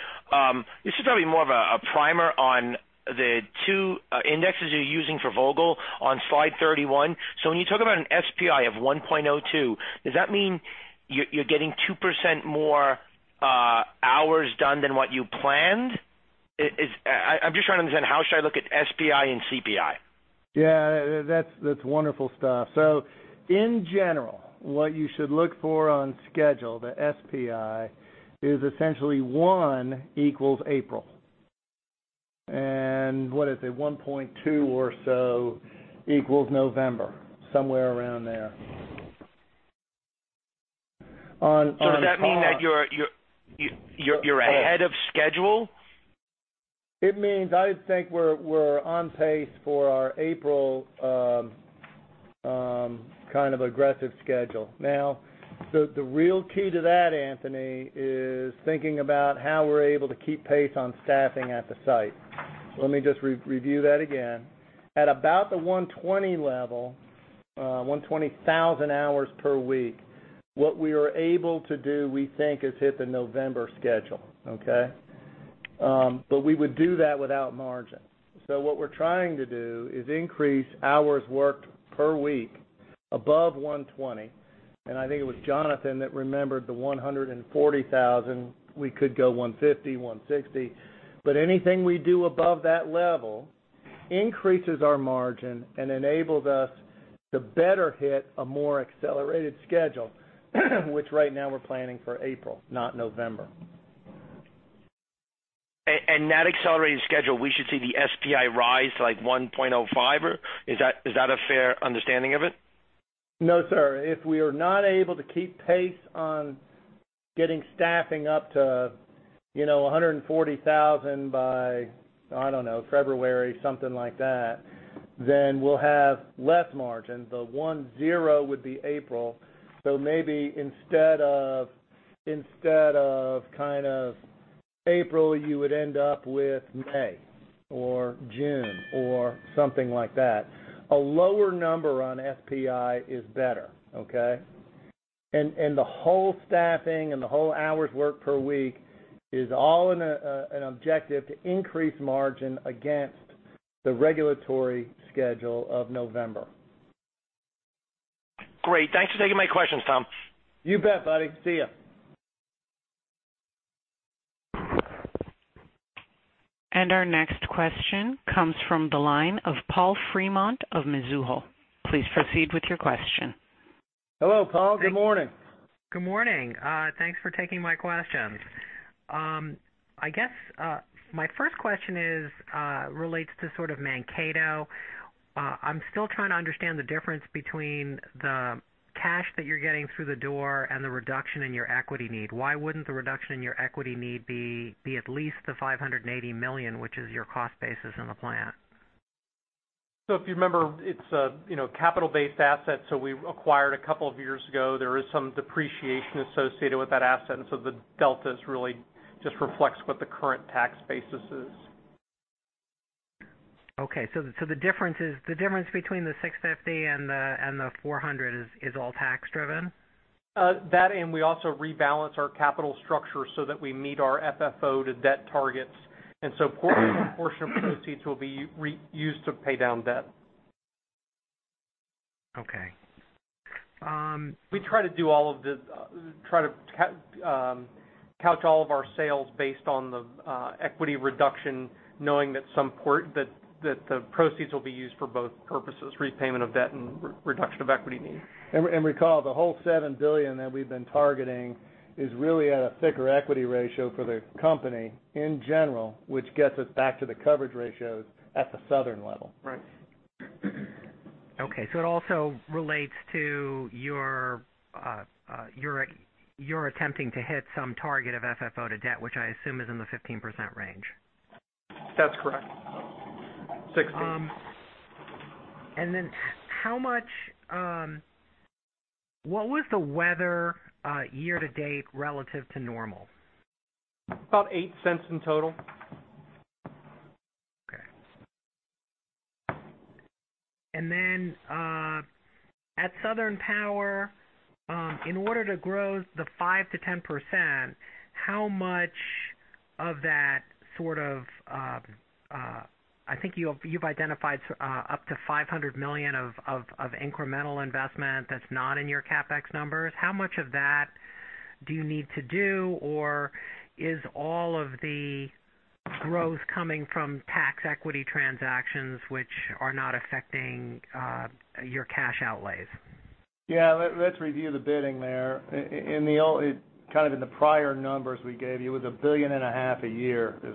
S10: this is probably more of a primer on the two indexes you're using for Vogtle on slide 31. When you talk about an SPI of 1.02, does that mean you're getting 2% more hours done than what you planned? I'm just trying to understand, how should I look at SPI and CPI?
S3: Yeah, that's wonderful stuff. In general, what you should look for on schedule, the SPI, is essentially one equals April. What is it? 1.2 or so equals November, somewhere around there.
S10: Does that mean that you're ahead of schedule?
S3: It means I think we're on pace for our April kind of aggressive schedule. The real key to that, Anthony Crowdell, is thinking about how we're able to keep pace on staffing at the site. Let me just review that again. At about the 120 level, 120,000 hours per week, what we are able to do, we think, is hit the November schedule. Okay? We would do that without margin. What we're trying to do is increase hours worked per week above 120, and I think it was Jonathan Arnold that remembered the 140,000. We could go 150, 160. Anything we do above that level increases our margin and enables us to better hit a more accelerated schedule, which right now we're planning for April, not November.
S10: That accelerated schedule, we should see the SPI rise to 1.05? Is that a fair understanding of it?
S3: No, sir. If we are not able to keep pace on getting staffing up to 140,000 by, I don't know, February, something like that, then we'll have less margin. The 1.0 would be April. Maybe instead of April, you would end up with May or June or something like that. A lower number on SPI is better. Okay? The whole staffing and the whole hours worked per week is all an objective to increase margin against the regulatory schedule of November.
S10: Great. Thanks for taking my questions, Tom.
S3: You bet, buddy. See ya.
S1: Our next question comes from the line of Paul Fremont of Mizuho. Please proceed with your question.
S3: Hello, Paul. Good morning.
S11: Good morning. Thanks for taking my questions. I guess my first question relates to sort of Mankato. I'm still trying to understand the difference between the cash that you're getting through the door and the reduction in your equity need. Why wouldn't the reduction in your equity need be at least the $580 million, which is your cost basis in the plant?
S4: If you remember, it's a capital-based asset, we acquired a couple of years ago. There is some depreciation associated with that asset, the delta really just reflects what the current tax basis is.
S11: Okay. The difference between the $650 and the $400 is all tax driven?
S4: That, and we also rebalance our capital structure so that we meet our FFO to debt targets. A portion of the proceeds will be used to pay down debt.
S11: Okay.
S4: We try to couch all of our sales based on the equity reduction, knowing that the proceeds will be used for both purposes, repayment of debt and reduction of equity need.
S3: Recall, the whole $7 billion that we've been targeting is really at a thicker equity ratio for the company in general, which gets us back to the coverage ratios at the Southern.
S4: Right.
S11: It also relates to You're attempting to hit some target of FFO to debt, which I assume is in the 15% range.
S4: That's correct. 60.
S11: What was the weather year-to-date relative to normal?
S4: About $0.08 in total.
S11: At Southern Power, in order to grow the 5%-10%, how much of that I think you've identified up to $500 million of incremental investment that's not in your CapEx numbers. How much of that do you need to do? Or is all of the growth coming from tax equity transactions, which are not affecting your cash outlays?
S3: Let's review the bidding there. In the prior numbers we gave you was a billion and a half dollars a year, is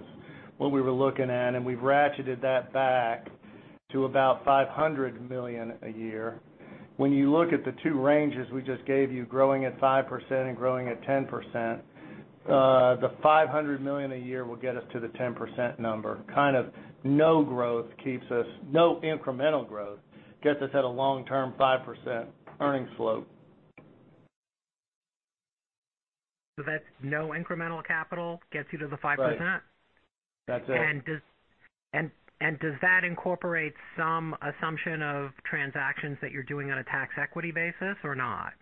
S3: what we were looking at, and we ratcheted that back to about $500 million a year. When you look at the two ranges we just gave you, growing at 5% and growing at 10%, the $500 million a year will get us to the 10% number. No incremental growth gets us at a long-term 5% earning slope.
S11: That's no incremental capital gets you to the 5%?
S3: Right. That's it.
S11: Does that incorporate some assumption of transactions that you're doing on a tax equity basis or not?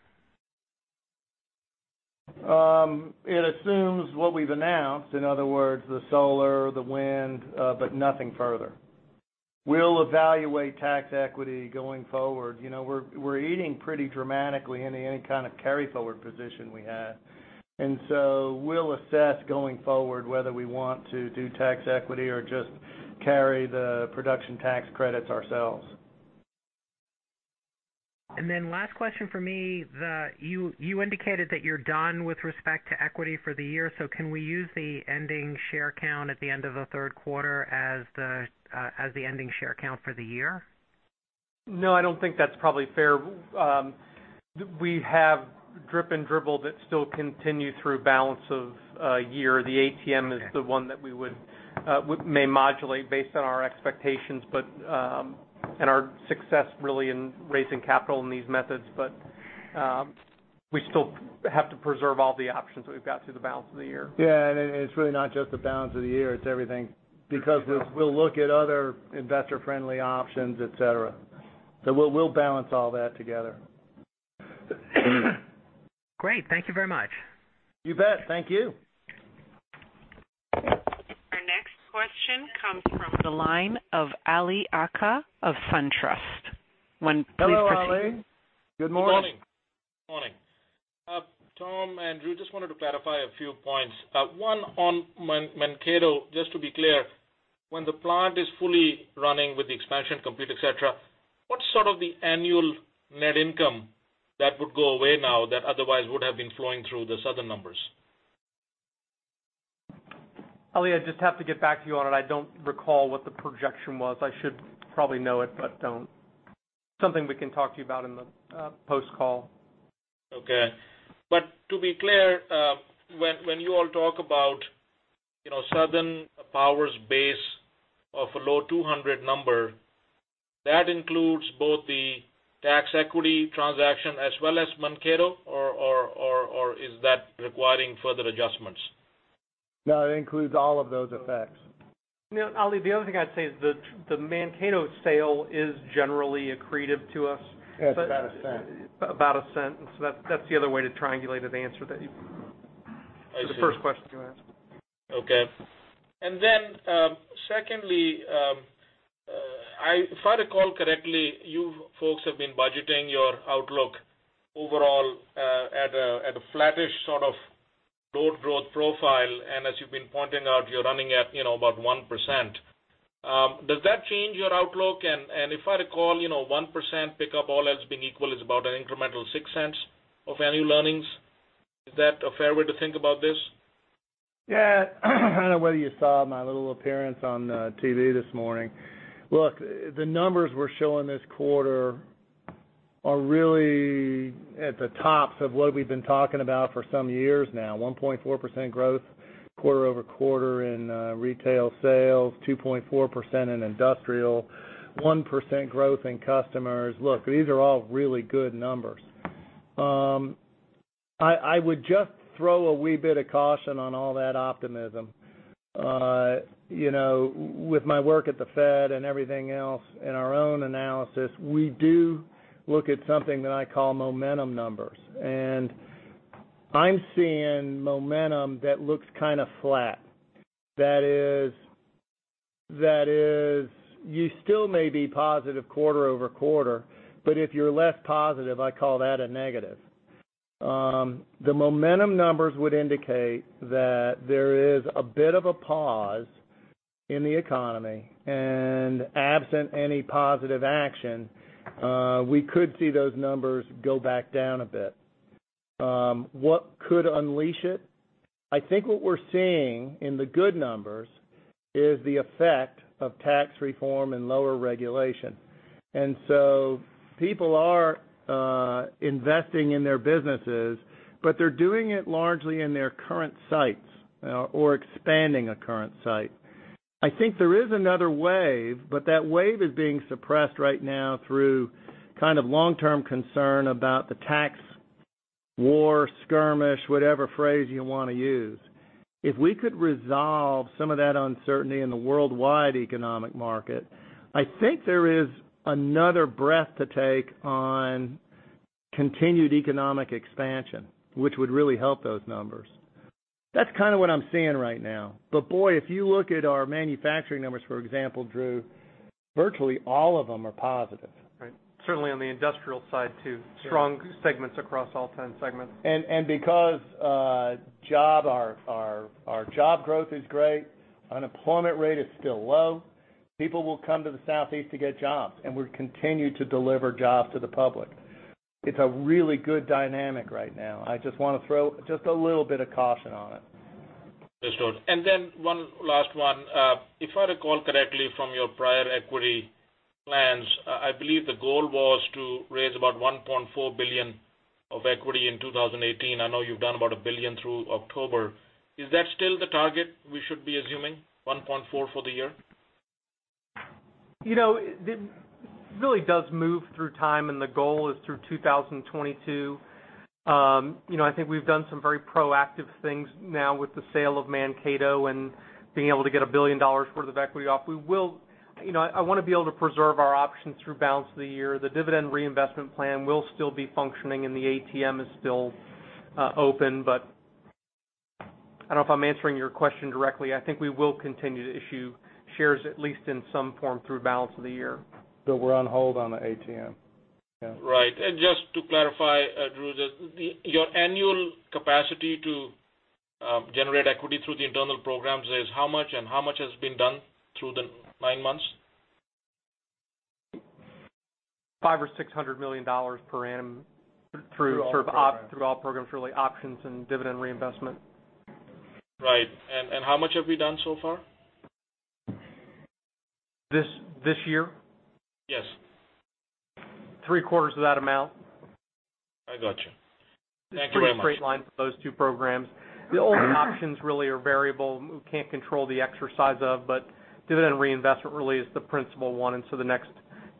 S3: It assumes what we've announced, in other words, the solar, the wind, but nothing further. We'll evaluate tax equity going forward. We're eating pretty dramatically any kind of carry forward position we have. We'll assess going forward whether we want to do tax equity or just carry the Production Tax Credits ourselves.
S11: Last question from me. You indicated that you're done with respect to equity for the year, so can we use the ending share count at the end of the third quarter as the ending share count for the year?
S4: No, I don't think that's probably fair. We have drip and dribble that still continue through balance of year. The ATM is the one that we may modulate based on our expectations and our success really in raising capital in these methods. We still have to preserve all the options we've got through the balance of the year.
S3: Yeah. It's really not just the balance of the year, it's everything. We'll look at other investor-friendly options, et cetera. We'll balance all that together.
S11: Great. Thank you very much.
S3: You bet. Thank you.
S1: Our next question comes from the line of Ali Agha of SunTrust. Please proceed.
S3: Hello, Ali. Good morning.
S12: Good morning. Tom and Drew, just wanted to clarify a few points. One on Mankato, just to be clear, when the plant is fully running with the expansion complete, et cetera, what's sort of the annual net income that would go away now that otherwise would have been flowing through the Southern numbers?
S4: Ali, I'd just have to get back to you on it. I don't recall what the projection was. I should probably know it, but don't. Something we can talk to you about in the post call.
S12: To be clear, when you all talk about Southern Power's base of a low 200 number, that includes both the tax equity transaction as well as Mankato, or is that requiring further adjustments?
S3: No, it includes all of those effects.
S4: Ali, the other thing I'd say is the Mankato sale is generally accretive to us.
S3: Yeah, it's about $0.01.
S4: About $0.01. That's the other way to triangulate an answer to the first question you asked.
S12: Okay. Secondly, if I recall correctly, you folks have been budgeting your outlook overall at a flattish sort of load growth profile. As you've been pointing out, you're running at about 1%. Does that change your outlook? If I recall, 1% pickup all else being equal is about an incremental $0.06 of annual earnings. Is that a fair way to think about this?
S3: Yeah. I don't know whether you saw my little appearance on TV this morning. Look, the numbers we're showing this quarter are really at the tops of what we've been talking about for some years now, 1.4% growth quarter-over-quarter in retail sales, 2.4% in industrial, 1% growth in customers. Look, these are all really good numbers. I would just throw a wee bit of caution on all that optimism. With my work at the Fed and everything else and our own analysis, we do look at something that I call momentum numbers. I'm seeing momentum that looks kind of flat. That is, you still may be positive quarter-over-quarter, if you're less positive, I call that a negative. The momentum numbers would indicate that there is a bit of a pause in the economy. Absent any positive action, we could see those numbers go back down a bit. What could unleash it? I think what we're seeing in the good numbers is the effect of tax reform and lower regulation. People are investing in their businesses, but they're doing it largely in their current sites or expanding a current site. I think there is another wave, but that wave is being suppressed right now through kind of long-term concern about the tax war, skirmish, whatever phrase you want to use. If we could resolve some of that uncertainty in the worldwide economic market, I think there is another breath to take on continued economic expansion, which would really help those numbers. That's kind of what I'm seeing right now. Boy, if you look at our manufacturing numbers, for example, Drew, virtually all of them are positive.
S4: Right. Certainly on the industrial side, too. Strong segments across all 10 segments.
S3: Because our job growth is great, unemployment rate is still low, people will come to the southeast to get jobs. We'll continue to deliver jobs to the public. It's a really good dynamic right now. I just want to throw just a little bit of caution on it.
S12: Understood. One last one. If I recall correctly from your prior equity plans, I believe the goal was to raise about $1.4 billion of equity in 2018. I know you've done about $1 billion through October. Is that still the target we should be assuming, $1.4 for the year?
S4: It really does move through time. The goal is through 2022. I think we've done some very proactive things now with the sale of Mankato and being able to get $1 billion worth of equity off. I want to be able to preserve our options through balance of the year. The dividend reinvestment plan will still be functioning. The ATM is still open. I don't know if I'm answering your question directly. I think we will continue to issue shares at least in some form through balance of the year.
S3: We're on hold on the ATM. Yeah.
S12: Right. Just to clarify, Drew, your annual capacity to generate equity through the internal programs is how much, and how much has been done through the nine months?
S4: 5 or $600 million per annum through.
S12: Through all programs.
S4: Through all programs, really. Options and dividend reinvestment.
S12: Right. How much have we done so far?
S4: This year?
S12: Yes.
S4: Three quarters of that amount.
S12: I got you. Thank you very much.
S4: It's pretty straight line for those two programs. The only options really are variable, we can't control the exercise of, dividend reinvestment really is the principal one, the next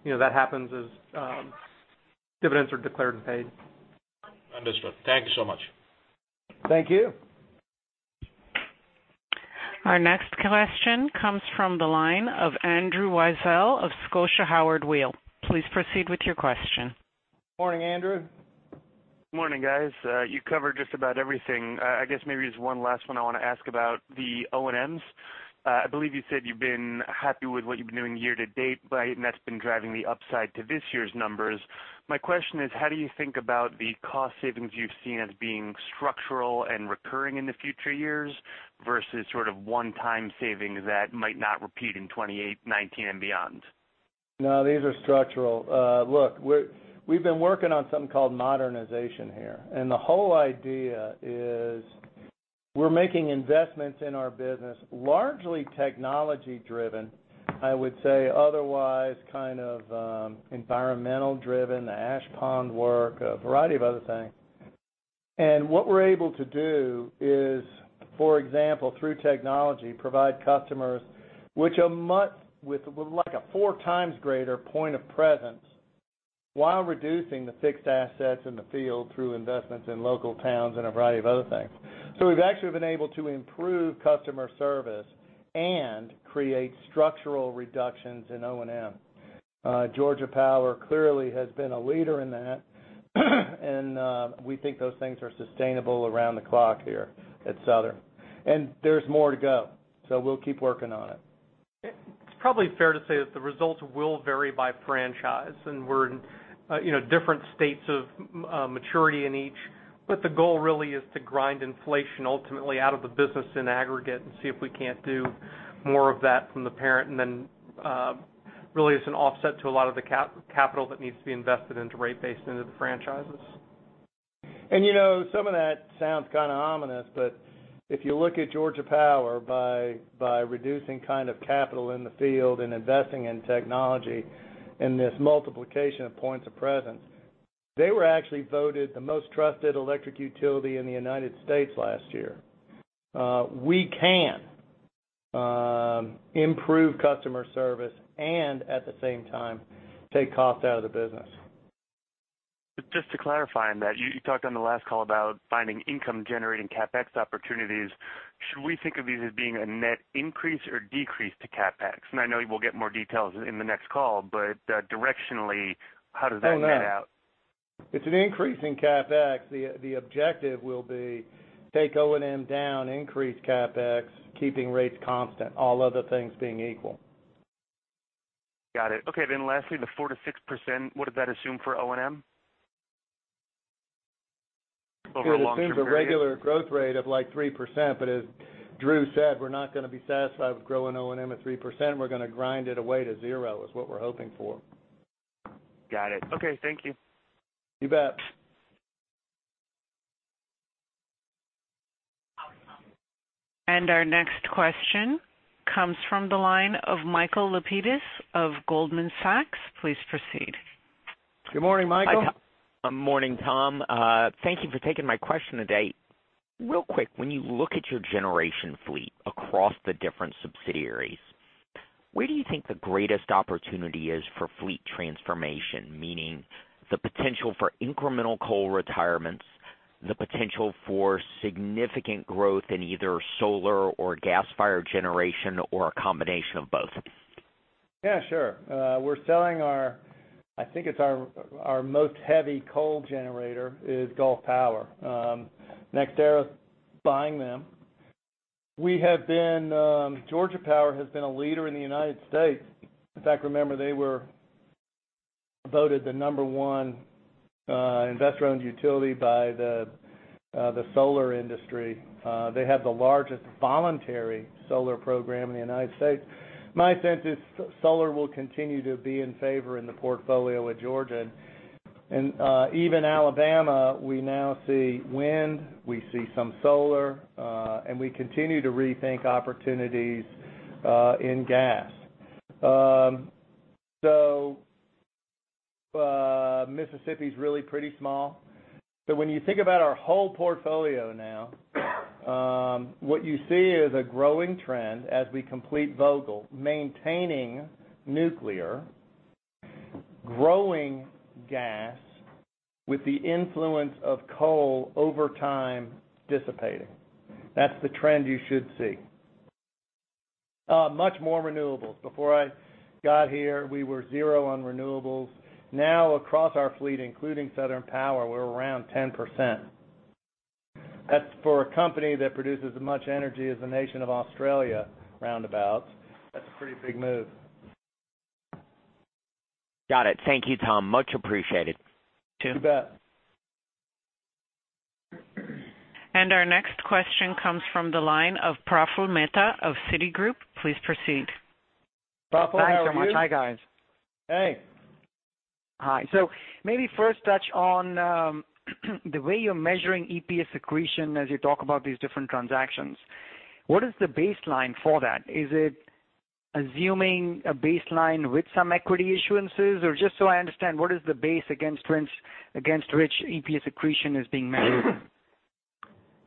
S4: that happens is dividends are declared and paid.
S12: Understood. Thank you so much.
S3: Thank you.
S1: Our next question comes from the line of Andrew Weisel of Scotia Howard Weil. Please proceed with your question.
S3: Morning, Andrew.
S13: Morning, guys. You covered just about everything. I guess maybe just one last one I want to ask about the O&Ms. I believe you said you've been happy with what you've been doing year to date, right? That's been driving the upside to this year's numbers. My question is, how do you think about the cost savings you've seen as being structural and recurring in the future years versus sort of one-time savings that might not repeat in 2028, 2019, and beyond?
S3: No, these are structural. Look, we've been working on something called modernization here. The whole idea is we're making investments in our business, largely technology-driven, I would say otherwise kind of environmental-driven, the ash pond work, a variety of other things. What we're able to do is, for example, through technology, provide customers with like a 4 times greater point of presence while reducing the fixed assets in the field through investments in local towns and a variety of other things. We've actually been able to improve customer service and create structural reductions in O&M. Georgia Power clearly has been a leader in that. We think those things are sustainable around the clock here at Southern. There's more to go, we'll keep working on it.
S4: It's probably fair to say that the results will vary by franchise. We're in different states of maturity in each. The goal really is to grind inflation ultimately out of the business in aggregate and see if we can't do more of that from the parent, then really as an offset to a lot of the capital that needs to be invested into rate base into the franchises.
S3: Some of that sounds kind of ominous, if you look at Georgia Power, by reducing kind of capital in the field and investing in technology and this multiplication of points of presence, they were actually voted the most trusted electric utility in the U.S. last year. We can improve customer service and at the same time take cost out of the business.
S13: Just to clarify on that, you talked on the last call about finding income-generating CapEx opportunities. Should we think of these as being a net increase or decrease to CapEx? I know we'll get more details in the next call, but directionally, how does that net out?
S3: No, it's an increase in CapEx. The objective will be take O&M down, increase CapEx, keeping rates constant, all other things being equal.
S13: Got it. Okay, lastly, the 4% to 6%, what did that assume for O&M over a long-term period?
S3: It assumes a regular growth rate of like 3%. As Drew said, we're not going to be satisfied with growing O&M at 3%. We're going to grind it away to zero, is what we're hoping for.
S13: Got it. Okay. Thank you.
S3: You bet.
S1: Our next question comes from the line of Michael Lapides of Goldman Sachs. Please proceed.
S3: Good morning, Michael.
S14: Morning, Tom. Thank you for taking my question today. Real quick, when you look at your generation fleet across the different subsidiaries, where do you think the greatest opportunity is for fleet transformation, meaning the potential for incremental coal retirements, the potential for significant growth in either solar or gas-fired generation or a combination of both?
S3: Yeah, sure. We're selling our, I think it's our most heavy coal generator, is Gulf Power. NextEra's buying them. Georgia Power has been a leader in the United States. In fact, remember, they were voted the number one investor-owned utility by the solar industry. They have the largest voluntary solar program in the United States. My sense is solar will continue to be in favor in the portfolio with Georgia. Even Alabama, we now see wind, we see some solar, and we continue to rethink opportunities in gas. Mississippi's really pretty small. When you think about our whole portfolio now, what you see is a growing trend as we complete Vogtle maintaining nuclear, growing gas with the influence of coal over time dissipating. That's the trend you should see. Much more renewables. Before I got here, we were zero on renewables. Across our fleet, including Southern Power, we're around 10%. That's for a company that produces as much energy as the nation of Australia roundabout. That's a pretty big move.
S14: Got it. Thank you, Tom. Much appreciated.
S3: You bet.
S1: Our next question comes from the line of Praful Mehta of Citigroup. Please proceed.
S3: Praful, how are you?
S15: Thanks so much. Hi, guys.
S3: Hey.
S15: Hi. Maybe first touch on the way you're measuring EPS accretion as you talk about these different transactions. What is the baseline for that? Is it assuming a baseline with some equity issuances or just so I understand, what is the base against which EPS accretion is being measured?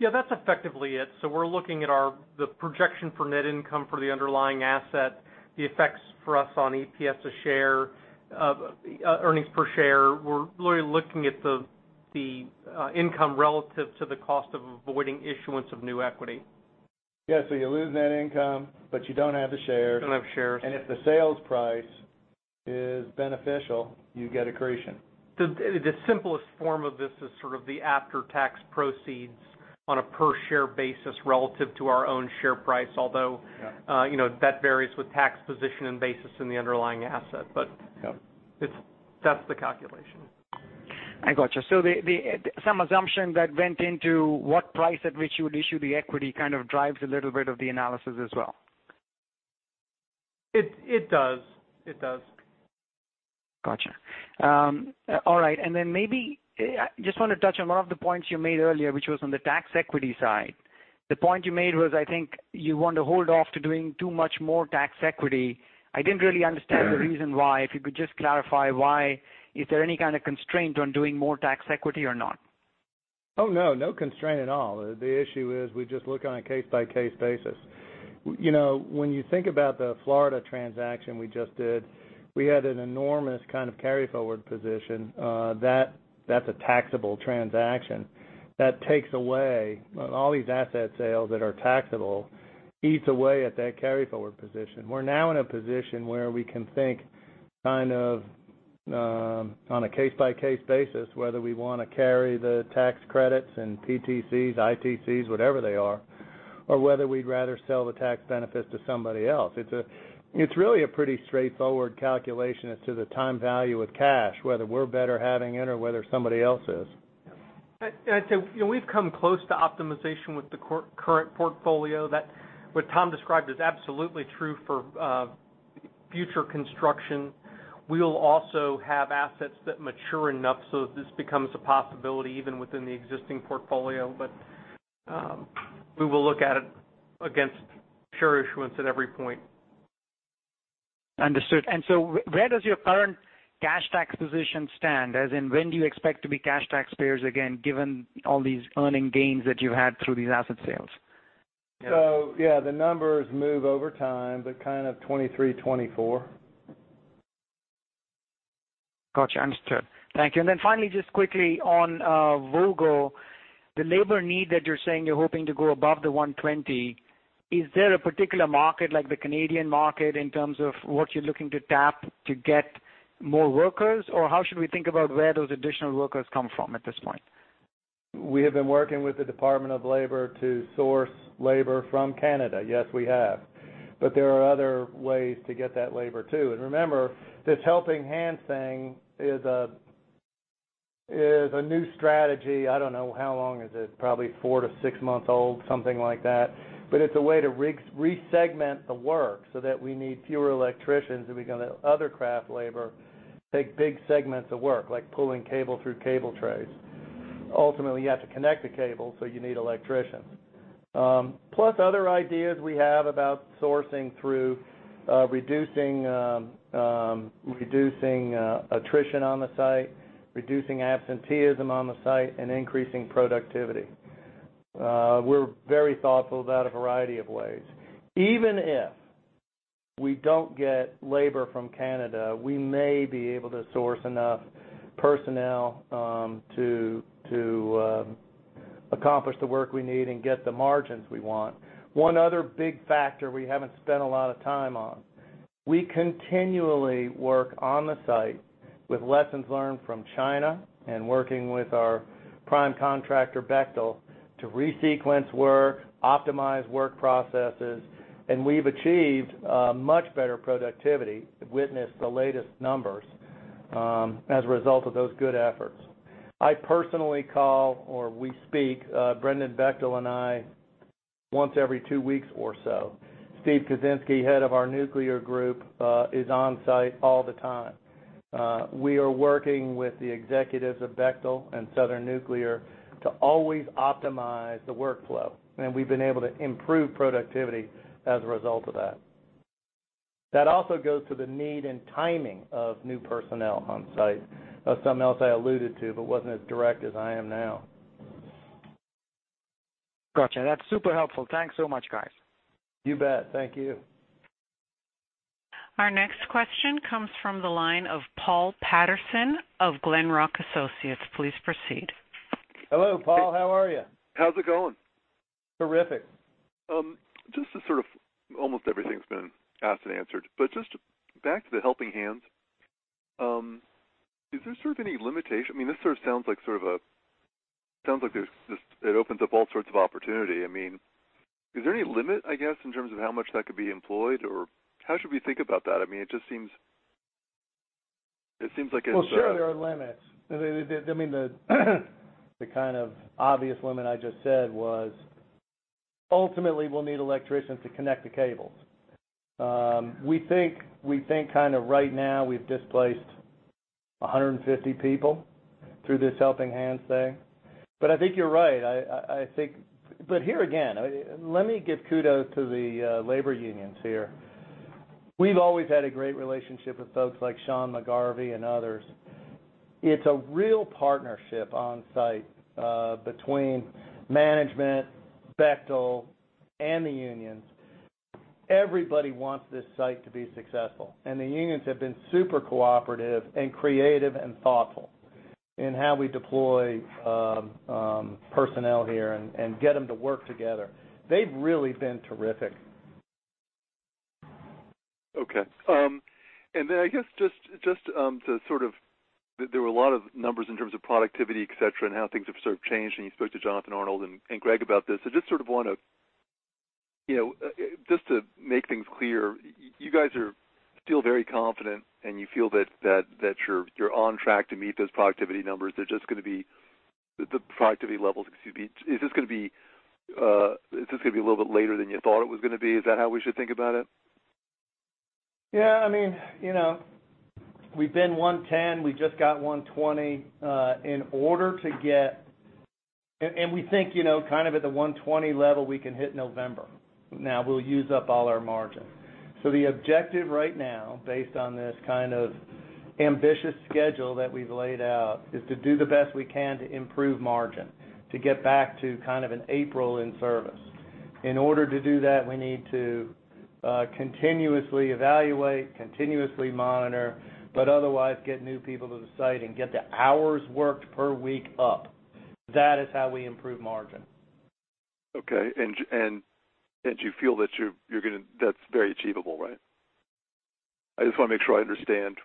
S4: Yeah, that's effectively it. We're looking at the projection for net income for the underlying asset, the effects for us on EPS of share, earnings per share. We're really looking at the income relative to the cost of avoiding issuance of new equity.
S3: Yeah. You lose net income, you don't add the shares.
S4: Don't have shares.
S3: If the sales price is beneficial, you get accretion.
S4: The simplest form of this is sort of the after-tax proceeds on a per share basis relative to our own share price.
S3: Yeah
S4: That varies with tax position and basis in the underlying asset.
S3: Yeah
S4: That's the calculation.
S15: I got you. Some assumption that went into what price at which you would issue the equity kind of drives a little bit of the analysis as well.
S4: It does. It does.
S15: Got you. All right, maybe just want to touch on one of the points you made earlier, which was on the tax equity side. The point you made was, I think you want to hold off to doing too much more tax equity. I didn't really understand the reason why. If you could just clarify why. Is there any kind of constraint on doing more tax equity or not?
S3: Oh, no. No constraint at all. The issue is we just look on a case-by-case basis. When you think about the Florida transaction we just did, we had an enormous kind of carry forward position. That's a taxable transaction. That takes away all these asset sales that are taxable, eats away at that carry forward position. We're now in a position where we can think kind of on a case-by-case basis, whether we want to carry the tax credits and PTCs, ITCs, whatever they are, or whether we'd rather sell the tax benefits to somebody else. It's really a pretty straightforward calculation as to the time value of cash, whether we're better having it or whether somebody else is.
S4: I'd say we've come close to optimization with the current portfolio. What Tom described is absolutely true for future construction. We'll also have assets that mature enough so that this becomes a possibility even within the existing portfolio. We will look at it against share issuance at every point.
S15: Understood. Where does your current cash tax position stand? As in when do you expect to be cash taxpayers again, given all these earning gains that you had through these asset sales?
S3: Yeah, the numbers move over time, but kind of 2023, 2024.
S15: Got you. Understood. Thank you. Finally, just quickly on Vogtle, the labor need that you're saying you're hoping to go above the 120. Is there a particular market like the Canadian market in terms of what you're looking to tap to get more workers? How should we think about where those additional workers come from at this point?
S3: We have been working with the Department of Labor to source labor from Canada. Yes, we have. There are other ways to get that labor, too. Remember, this Helping Hands thing is a new strategy. I don't know, how long is it? Probably four to six months old, something like that. It's a way to re-segment the work so that we need fewer electricians and we get other craft labor take big segments of work, like pulling cable through cable trays. Ultimately, you have to connect the cable, so you need electricians. Plus other ideas we have about sourcing through reducing attrition on the site, reducing absenteeism on the site, and increasing productivity. We're very thoughtful about a variety of ways. Even if we don't get labor from Canada, we may be able to source enough personnel to accomplish the work we need and get the margins we want. One other big factor we haven't spent a lot of time on, we continually work on the site with lessons learned from China and working with our prime contractor, Bechtel, to re-sequence work, optimize work processes, and we've achieved a much better productivity. Witness the latest numbers as a result of those good efforts. I personally call or we speak, Brendan Bechtel and I, once every two weeks or so. Steve Kuczynski, head of our nuclear group, is on-site all the time. We are working with the executives of Bechtel and Southern Nuclear to always optimize the workflow. We've been able to improve productivity as a result of that. That also goes to the need and timing of new personnel on-site. That's something else I alluded to but wasn't as direct as I am now.
S15: Got you. That's super helpful. Thanks so much, guys.
S3: You bet. Thank you.
S1: Our next question comes from the line of Paul Patterson of Glenrock Associates. Please proceed.
S3: Hello, Paul. How are you?
S16: How's it going?
S3: Terrific.
S16: Almost everything's been asked and answered, just back to the Helping Hands. Is there any limitation? This sounds like it opens up all sorts of opportunity. Is there any limit, I guess, in terms of how much that could be employed? How should we think about that? It just seems like it's-
S3: Sure there are limits. The kind of obvious limit I just said was ultimately we'll need electricians to connect the cables. We think right now we've displaced 150 people through this Helping Hands thing. I think you're right. Here again, let me give kudos to the labor unions here. We've always had a great relationship with folks like Sean McGarvey and others. It's a real partnership on-site between management, Bechtel, and the unions. Everybody wants this site to be successful, and the unions have been super cooperative and creative and thoughtful in how we deploy personnel here and get them to work together. They've really been terrific.
S16: There were a lot of numbers in terms of productivity, et cetera, and how things have changed, and you spoke to Jonathan Arnold and Greg about this. Just to make things clear, you guys are still very confident, and you feel that you're on track to meet those productivity numbers. They're just going to be the productivity levels, excuse me. It's just going to be a little bit later than you thought it was going to be. Is that how we should think about it?
S3: We've been 110. We just got 120. We think, at the 120 level, we can hit November. We'll use up all our margin. The objective right now, based on this ambitious schedule that we've laid out, is to do the best we can to improve margin, to get back to an April in service. In order to do that, we need to continuously evaluate, continuously monitor, but otherwise get new people to the site and get the hours worked per week up. That is how we improve margin.
S16: Okay. You feel that's very achievable, right? I just want to make sure I understand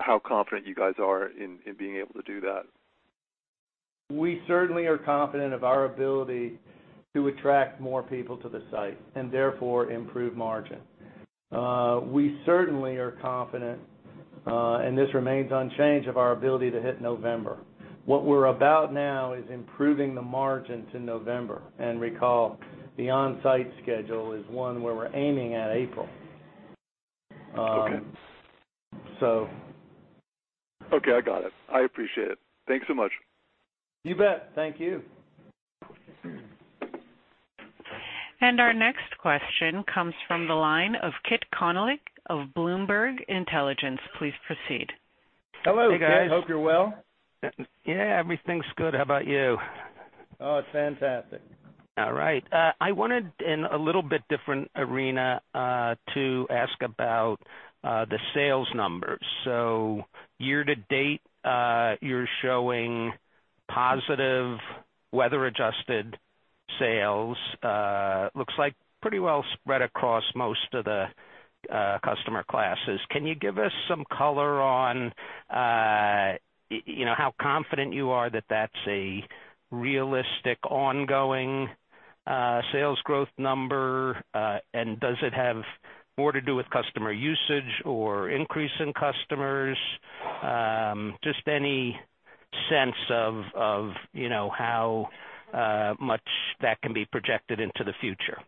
S16: how confident you guys are in being able to do that.
S3: We certainly are confident of our ability to attract more people to the site and therefore improve margin. We certainly are confident, and this remains unchanged, of our ability to hit November. What we're about now is improving the margins in November. Recall, the on-site schedule is one where we're aiming at April.
S16: Okay.
S3: So.
S16: Okay, I got it. I appreciate it. Thank you so much.
S3: You bet. Thank you.
S1: Our next question comes from the line of Kit Konolige of Bloomberg Intelligence. Please proceed.
S3: Hello, Kit.
S17: Hey, guys. Hope you're well. Yeah. Everything's good. How about you?
S3: Oh, fantastic.
S17: All right. I wanted in a little bit different arena to ask about the sales numbers. Year-to-date, you're showing positive weather-adjusted sales. Looks like pretty well spread across most of the customer classes. Can you give us some color on how confident you are that that's a realistic ongoing sales growth number, and does it have more to do with customer usage or increase in customers? Just any sense of how much that can be projected into the future.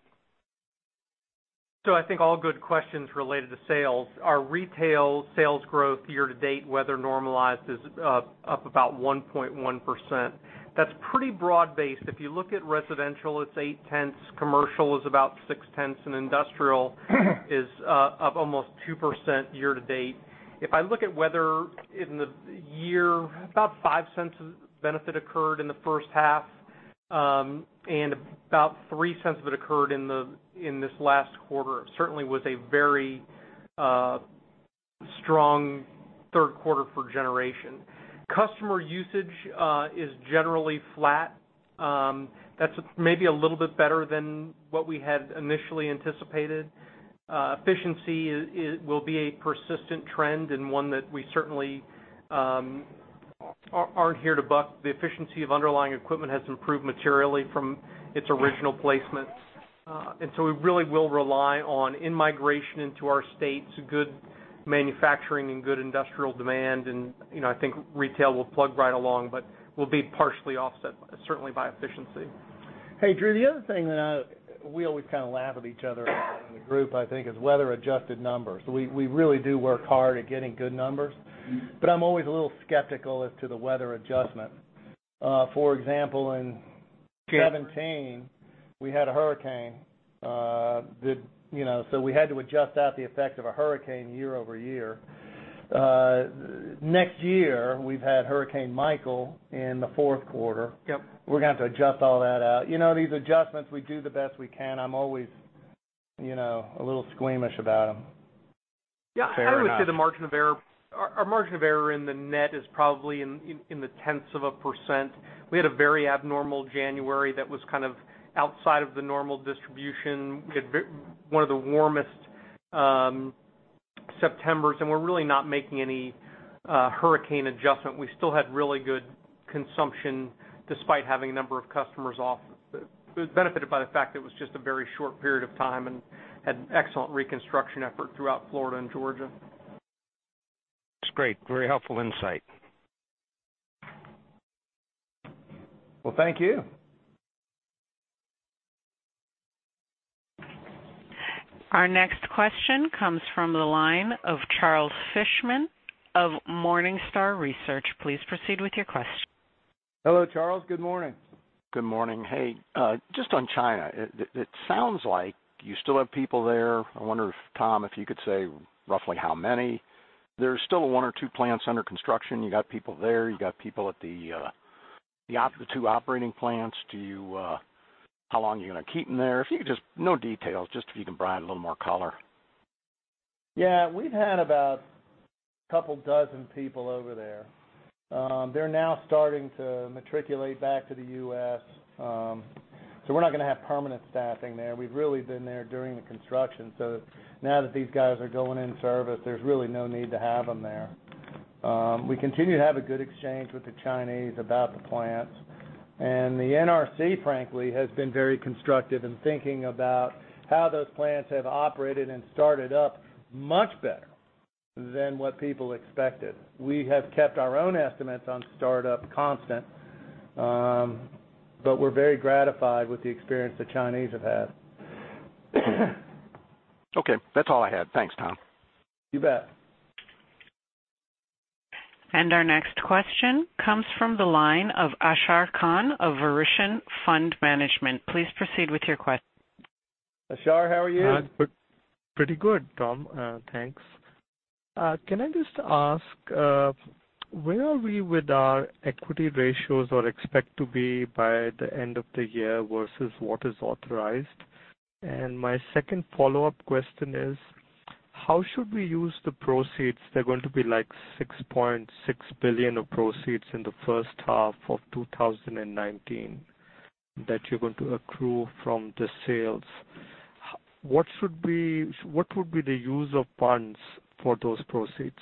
S4: I think all good questions related to sales. Our retail sales growth year to date, weather normalized, is up about 1.1%. That's pretty broad-based. If you look at residential, it's 0.8, commercial is about 0.6, and industrial is up almost 2% year to date. If I look at weather in the year, about 0.5 of benefit occurred in the first half, and about 0.3 of it occurred in this last quarter. It certainly was a very strong third quarter for generation. Customer usage is generally flat. That's maybe a little bit better than what we had initially anticipated. Efficiency will be a persistent trend and one that we certainly aren't here to buck. The efficiency of underlying equipment has improved materially from its original placements. We really will rely on in-migration into our states, good manufacturing and good industrial demand, and I think retail will plug right along, but will be partially offset certainly by efficiency.
S3: Hey, Drew, the other thing that we always kind of laugh at each other in the group, I think, is weather-adjusted numbers. We really do work hard at getting good numbers, but I'm always a little skeptical as to the weather adjustment. For example, in 2017, we had a hurricane, so we had to adjust out the effect of a hurricane year-over-year. Next year, we've had Hurricane Michael in the fourth quarter.
S4: Yep.
S3: We're going to have to adjust all that out. These adjustments, we do the best we can. I'm always a little squeamish about them.
S4: Yeah.
S3: Fair enough.
S4: I always say our margin of error in the net is probably in the tenths of a percent. We had a very abnormal January that was kind of outside of the normal distribution. We had one of the warmest Septembers, and we're really not making any hurricane adjustment. We still had really good consumption despite having a number of customers off. Benefited by the fact that it was just a very short period of time and had excellent reconstruction effort throughout Florida and Georgia.
S17: That's great. Very helpful insight.
S3: Well, thank you.
S1: Our next question comes from the line of Charles Fishman of Morningstar Research. Please proceed with your question.
S3: Hello, Charles. Good morning.
S18: Good morning. Hey, just on China, it sounds like you still have people there. I wonder if, Tom, if you could say roughly how many. There's still one or two plants under construction. You got people there, you got people at the two operating plants. How long are you going to keep them there? If you could just, no details, just if you can provide a little more color.
S3: Yeah. We've had about a couple dozen people over there. They're now starting to matriculate back to the U.S., we're not going to have permanent staffing there. We've really been there during the construction, now that these guys are going in service, there's really no need to have them there. We continue to have a good exchange with the Chinese about the plants. The NRC, frankly, has been very constructive in thinking about how those plants have operated and started up much better than what people expected. We have kept our own estimates on startup constant, we're very gratified with the experience the Chinese have had.
S18: Okay. That's all I had. Thanks, Tom.
S3: You bet.
S1: Our next question comes from the line of Ashar Khan of Verition Fund Management. Please proceed with your question.
S3: Ashar, how are you?
S19: Hi. Pretty good, Tom. Thanks. Can I just ask, where are we with our equity ratios or expect to be by the end of the year versus what is authorized? My second follow-up question is, how should we use the proceeds? They're going to be like $6.6 billion of proceeds in the first half of 2019 that you're going to accrue from the sales. What would be the use of funds for those proceeds?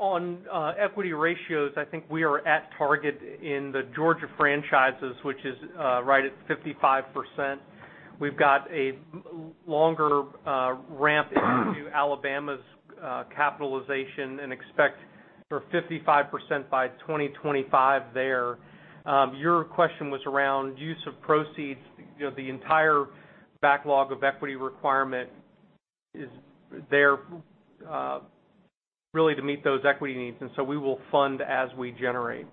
S4: On equity ratios, I think we are at target in the Georgia franchises, which is right at 55%. We've got a longer ramp into Alabama's capitalization and expect for 55% by 2025 there. Your question was around use of proceeds. The entire backlog of equity requirement is there really to meet those equity needs, and so we will fund as we generate.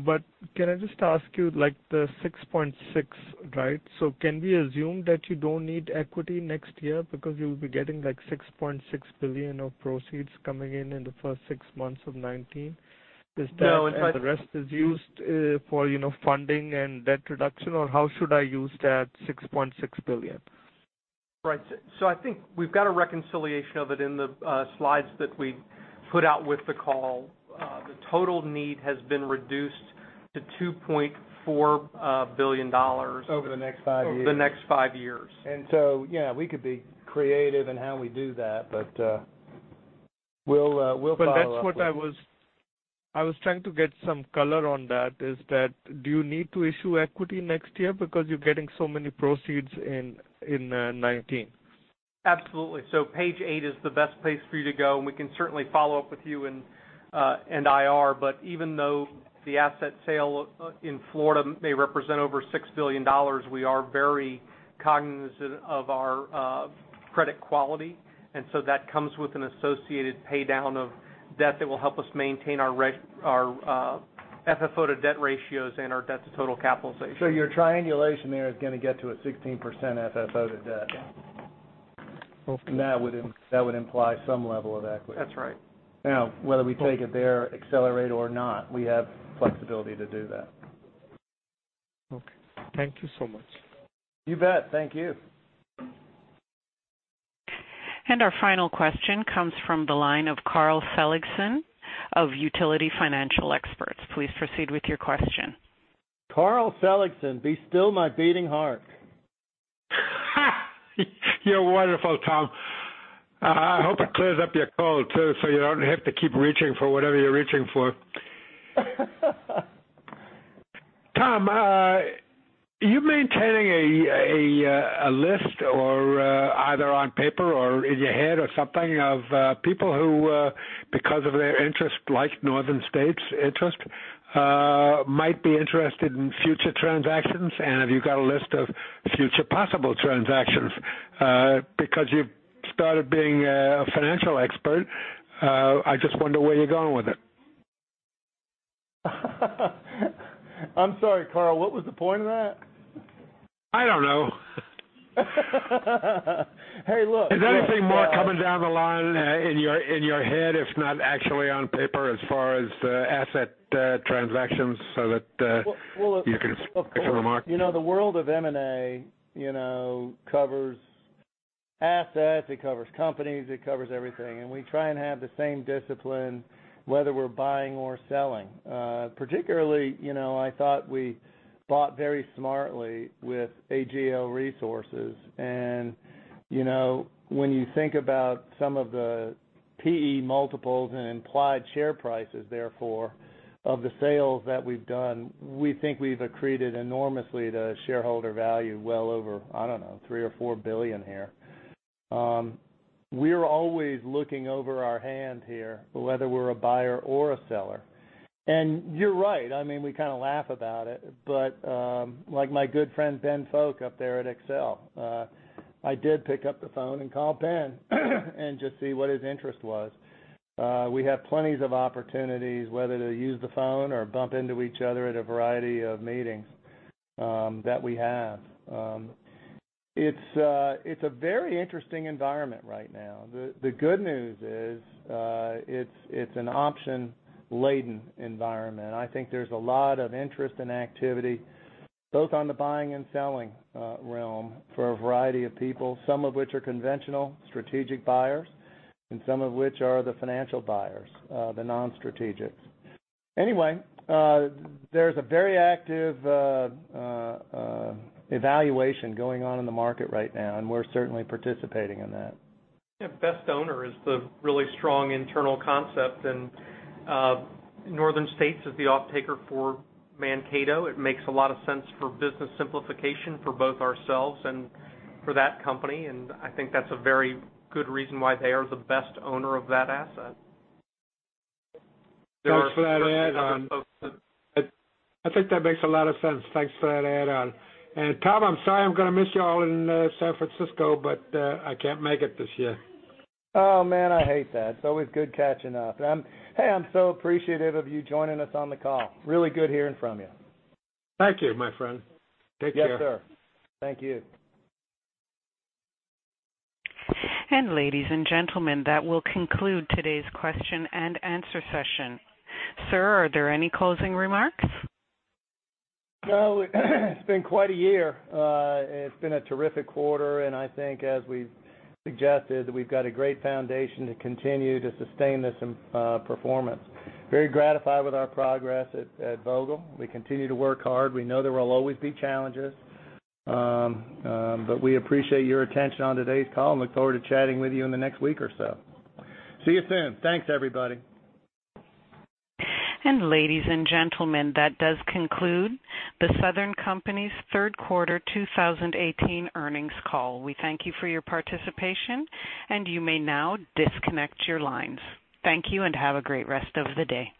S19: No, can I just ask you, like the $6.6, right? Can we assume that you don't need equity next year because you'll be getting like $6.6 billion of proceeds coming in the first six months of 2019?
S4: No.
S19: The rest is used for funding and debt reduction, or how should I use that $6.6 billion?
S4: Right. I think we've got a reconciliation of it in the slides that we put out with the call. The total need has been reduced to $2.4 billion.
S3: Over the next five years.
S4: Over the next five years.
S3: We could be creative in how we do that. We'll follow up with you.
S19: That's what I was trying to get some color on that, do you need to issue equity next year because you're getting so many proceeds in 2019?
S4: Absolutely. Page eight is the best place for you to go, and we can certainly follow up with you in IR. Even though the asset sale in Florida may represent over $6 billion, we are very cognizant of our credit quality. That comes with an associated pay down of debt that will help us maintain our FFO to debt ratios and our debt to total capitalization.
S3: Your triangulation there is going to get to a 16% FFO to debt.
S19: Okay.
S3: That would imply some level of equity.
S4: That's right.
S3: Whether we take it there, accelerate or not, we have flexibility to do that.
S19: Thank you so much.
S3: You bet. Thank you.
S1: Our final question comes from the line of Carl Seligson of Utility Financial Experts. Please proceed with your question.
S3: Carl Seligson, be still my beating heart.
S20: You're wonderful, Tom. I hope it clears up your cold too, so you don't have to keep reaching for whatever you're reaching for. Tom, are you maintaining a list or, either on paper or in your head or something, of people who, because of their interest, like Northern States interest, might be interested in future transactions? Have you got a list of future possible transactions? You've started being a financial expert, I just wonder where you're going with it.
S3: I'm sorry, Carl. What was the point of that?
S20: I don't know.
S3: Hey, look.
S20: Is anything more coming down the line in your head, if not actually on paper as far as asset transactions so that you can make your remarks?
S3: The world of M&A covers assets, it covers companies, it covers everything. We try and have the same discipline whether we're buying or selling. Particularly, I thought we bought very smartly with AGL Resources. When you think about some of the PE multiples and implied share prices therefore of the sales that we've done, we think we've accreted enormously to shareholder value well over, I don't know, $3 billion or $4 billion here. We're always looking over our hand here, whether we're a buyer or a seller. You're right, we kind of laugh about it, but like my good friend Ben Fowke up there at Xcel, I did pick up the phone and call Ben and just see what his interest was. We have plenty of opportunities, whether to use the phone or bump into each other at a variety of meetings that we have. It's a very interesting environment right now. The good news is it's an option-laden environment. I think there's a lot of interest and activity both on the buying and selling realm for a variety of people, some of which are conventional strategic buyers and some of which are the financial buyers, the non-strategics. There's a very active evaluation going on in the market right now, and we're certainly participating in that.
S4: Best owner is the really strong internal concept, and Northern States is the offtaker for Mankato. It makes a lot of sense for business simplification for both ourselves and for that company, and I think that's a very good reason why they are the best owner of that asset.
S20: Thanks for that add on. I think that makes a lot of sense. Thanks for that add on. Tom, I'm sorry I'm going to miss you all in San Francisco, but I can't make it this year.
S3: Oh, man, I hate that. It's always good catching up. Hey, I'm so appreciative of you joining us on the call. Really good hearing from you.
S20: Thank you, my friend. Take care.
S3: Yes, sir. Thank you.
S1: Ladies and gentlemen, that will conclude today's question and answer session. Sir, are there any closing remarks?
S3: No. It's been quite a year. It's been a terrific quarter, and I think as we've suggested, we've got a great foundation to continue to sustain this performance. Very gratified with our progress at Vogtle. We continue to work hard. We know there will always be challenges. We appreciate your attention on today's call and look forward to chatting with you in the next week or so. See you soon. Thanks everybody.
S1: Ladies and gentlemen, that does conclude The Southern Company's third quarter 2018 earnings call. We thank you for your participation, and you may now disconnect your lines. Thank you and have a great rest of the day.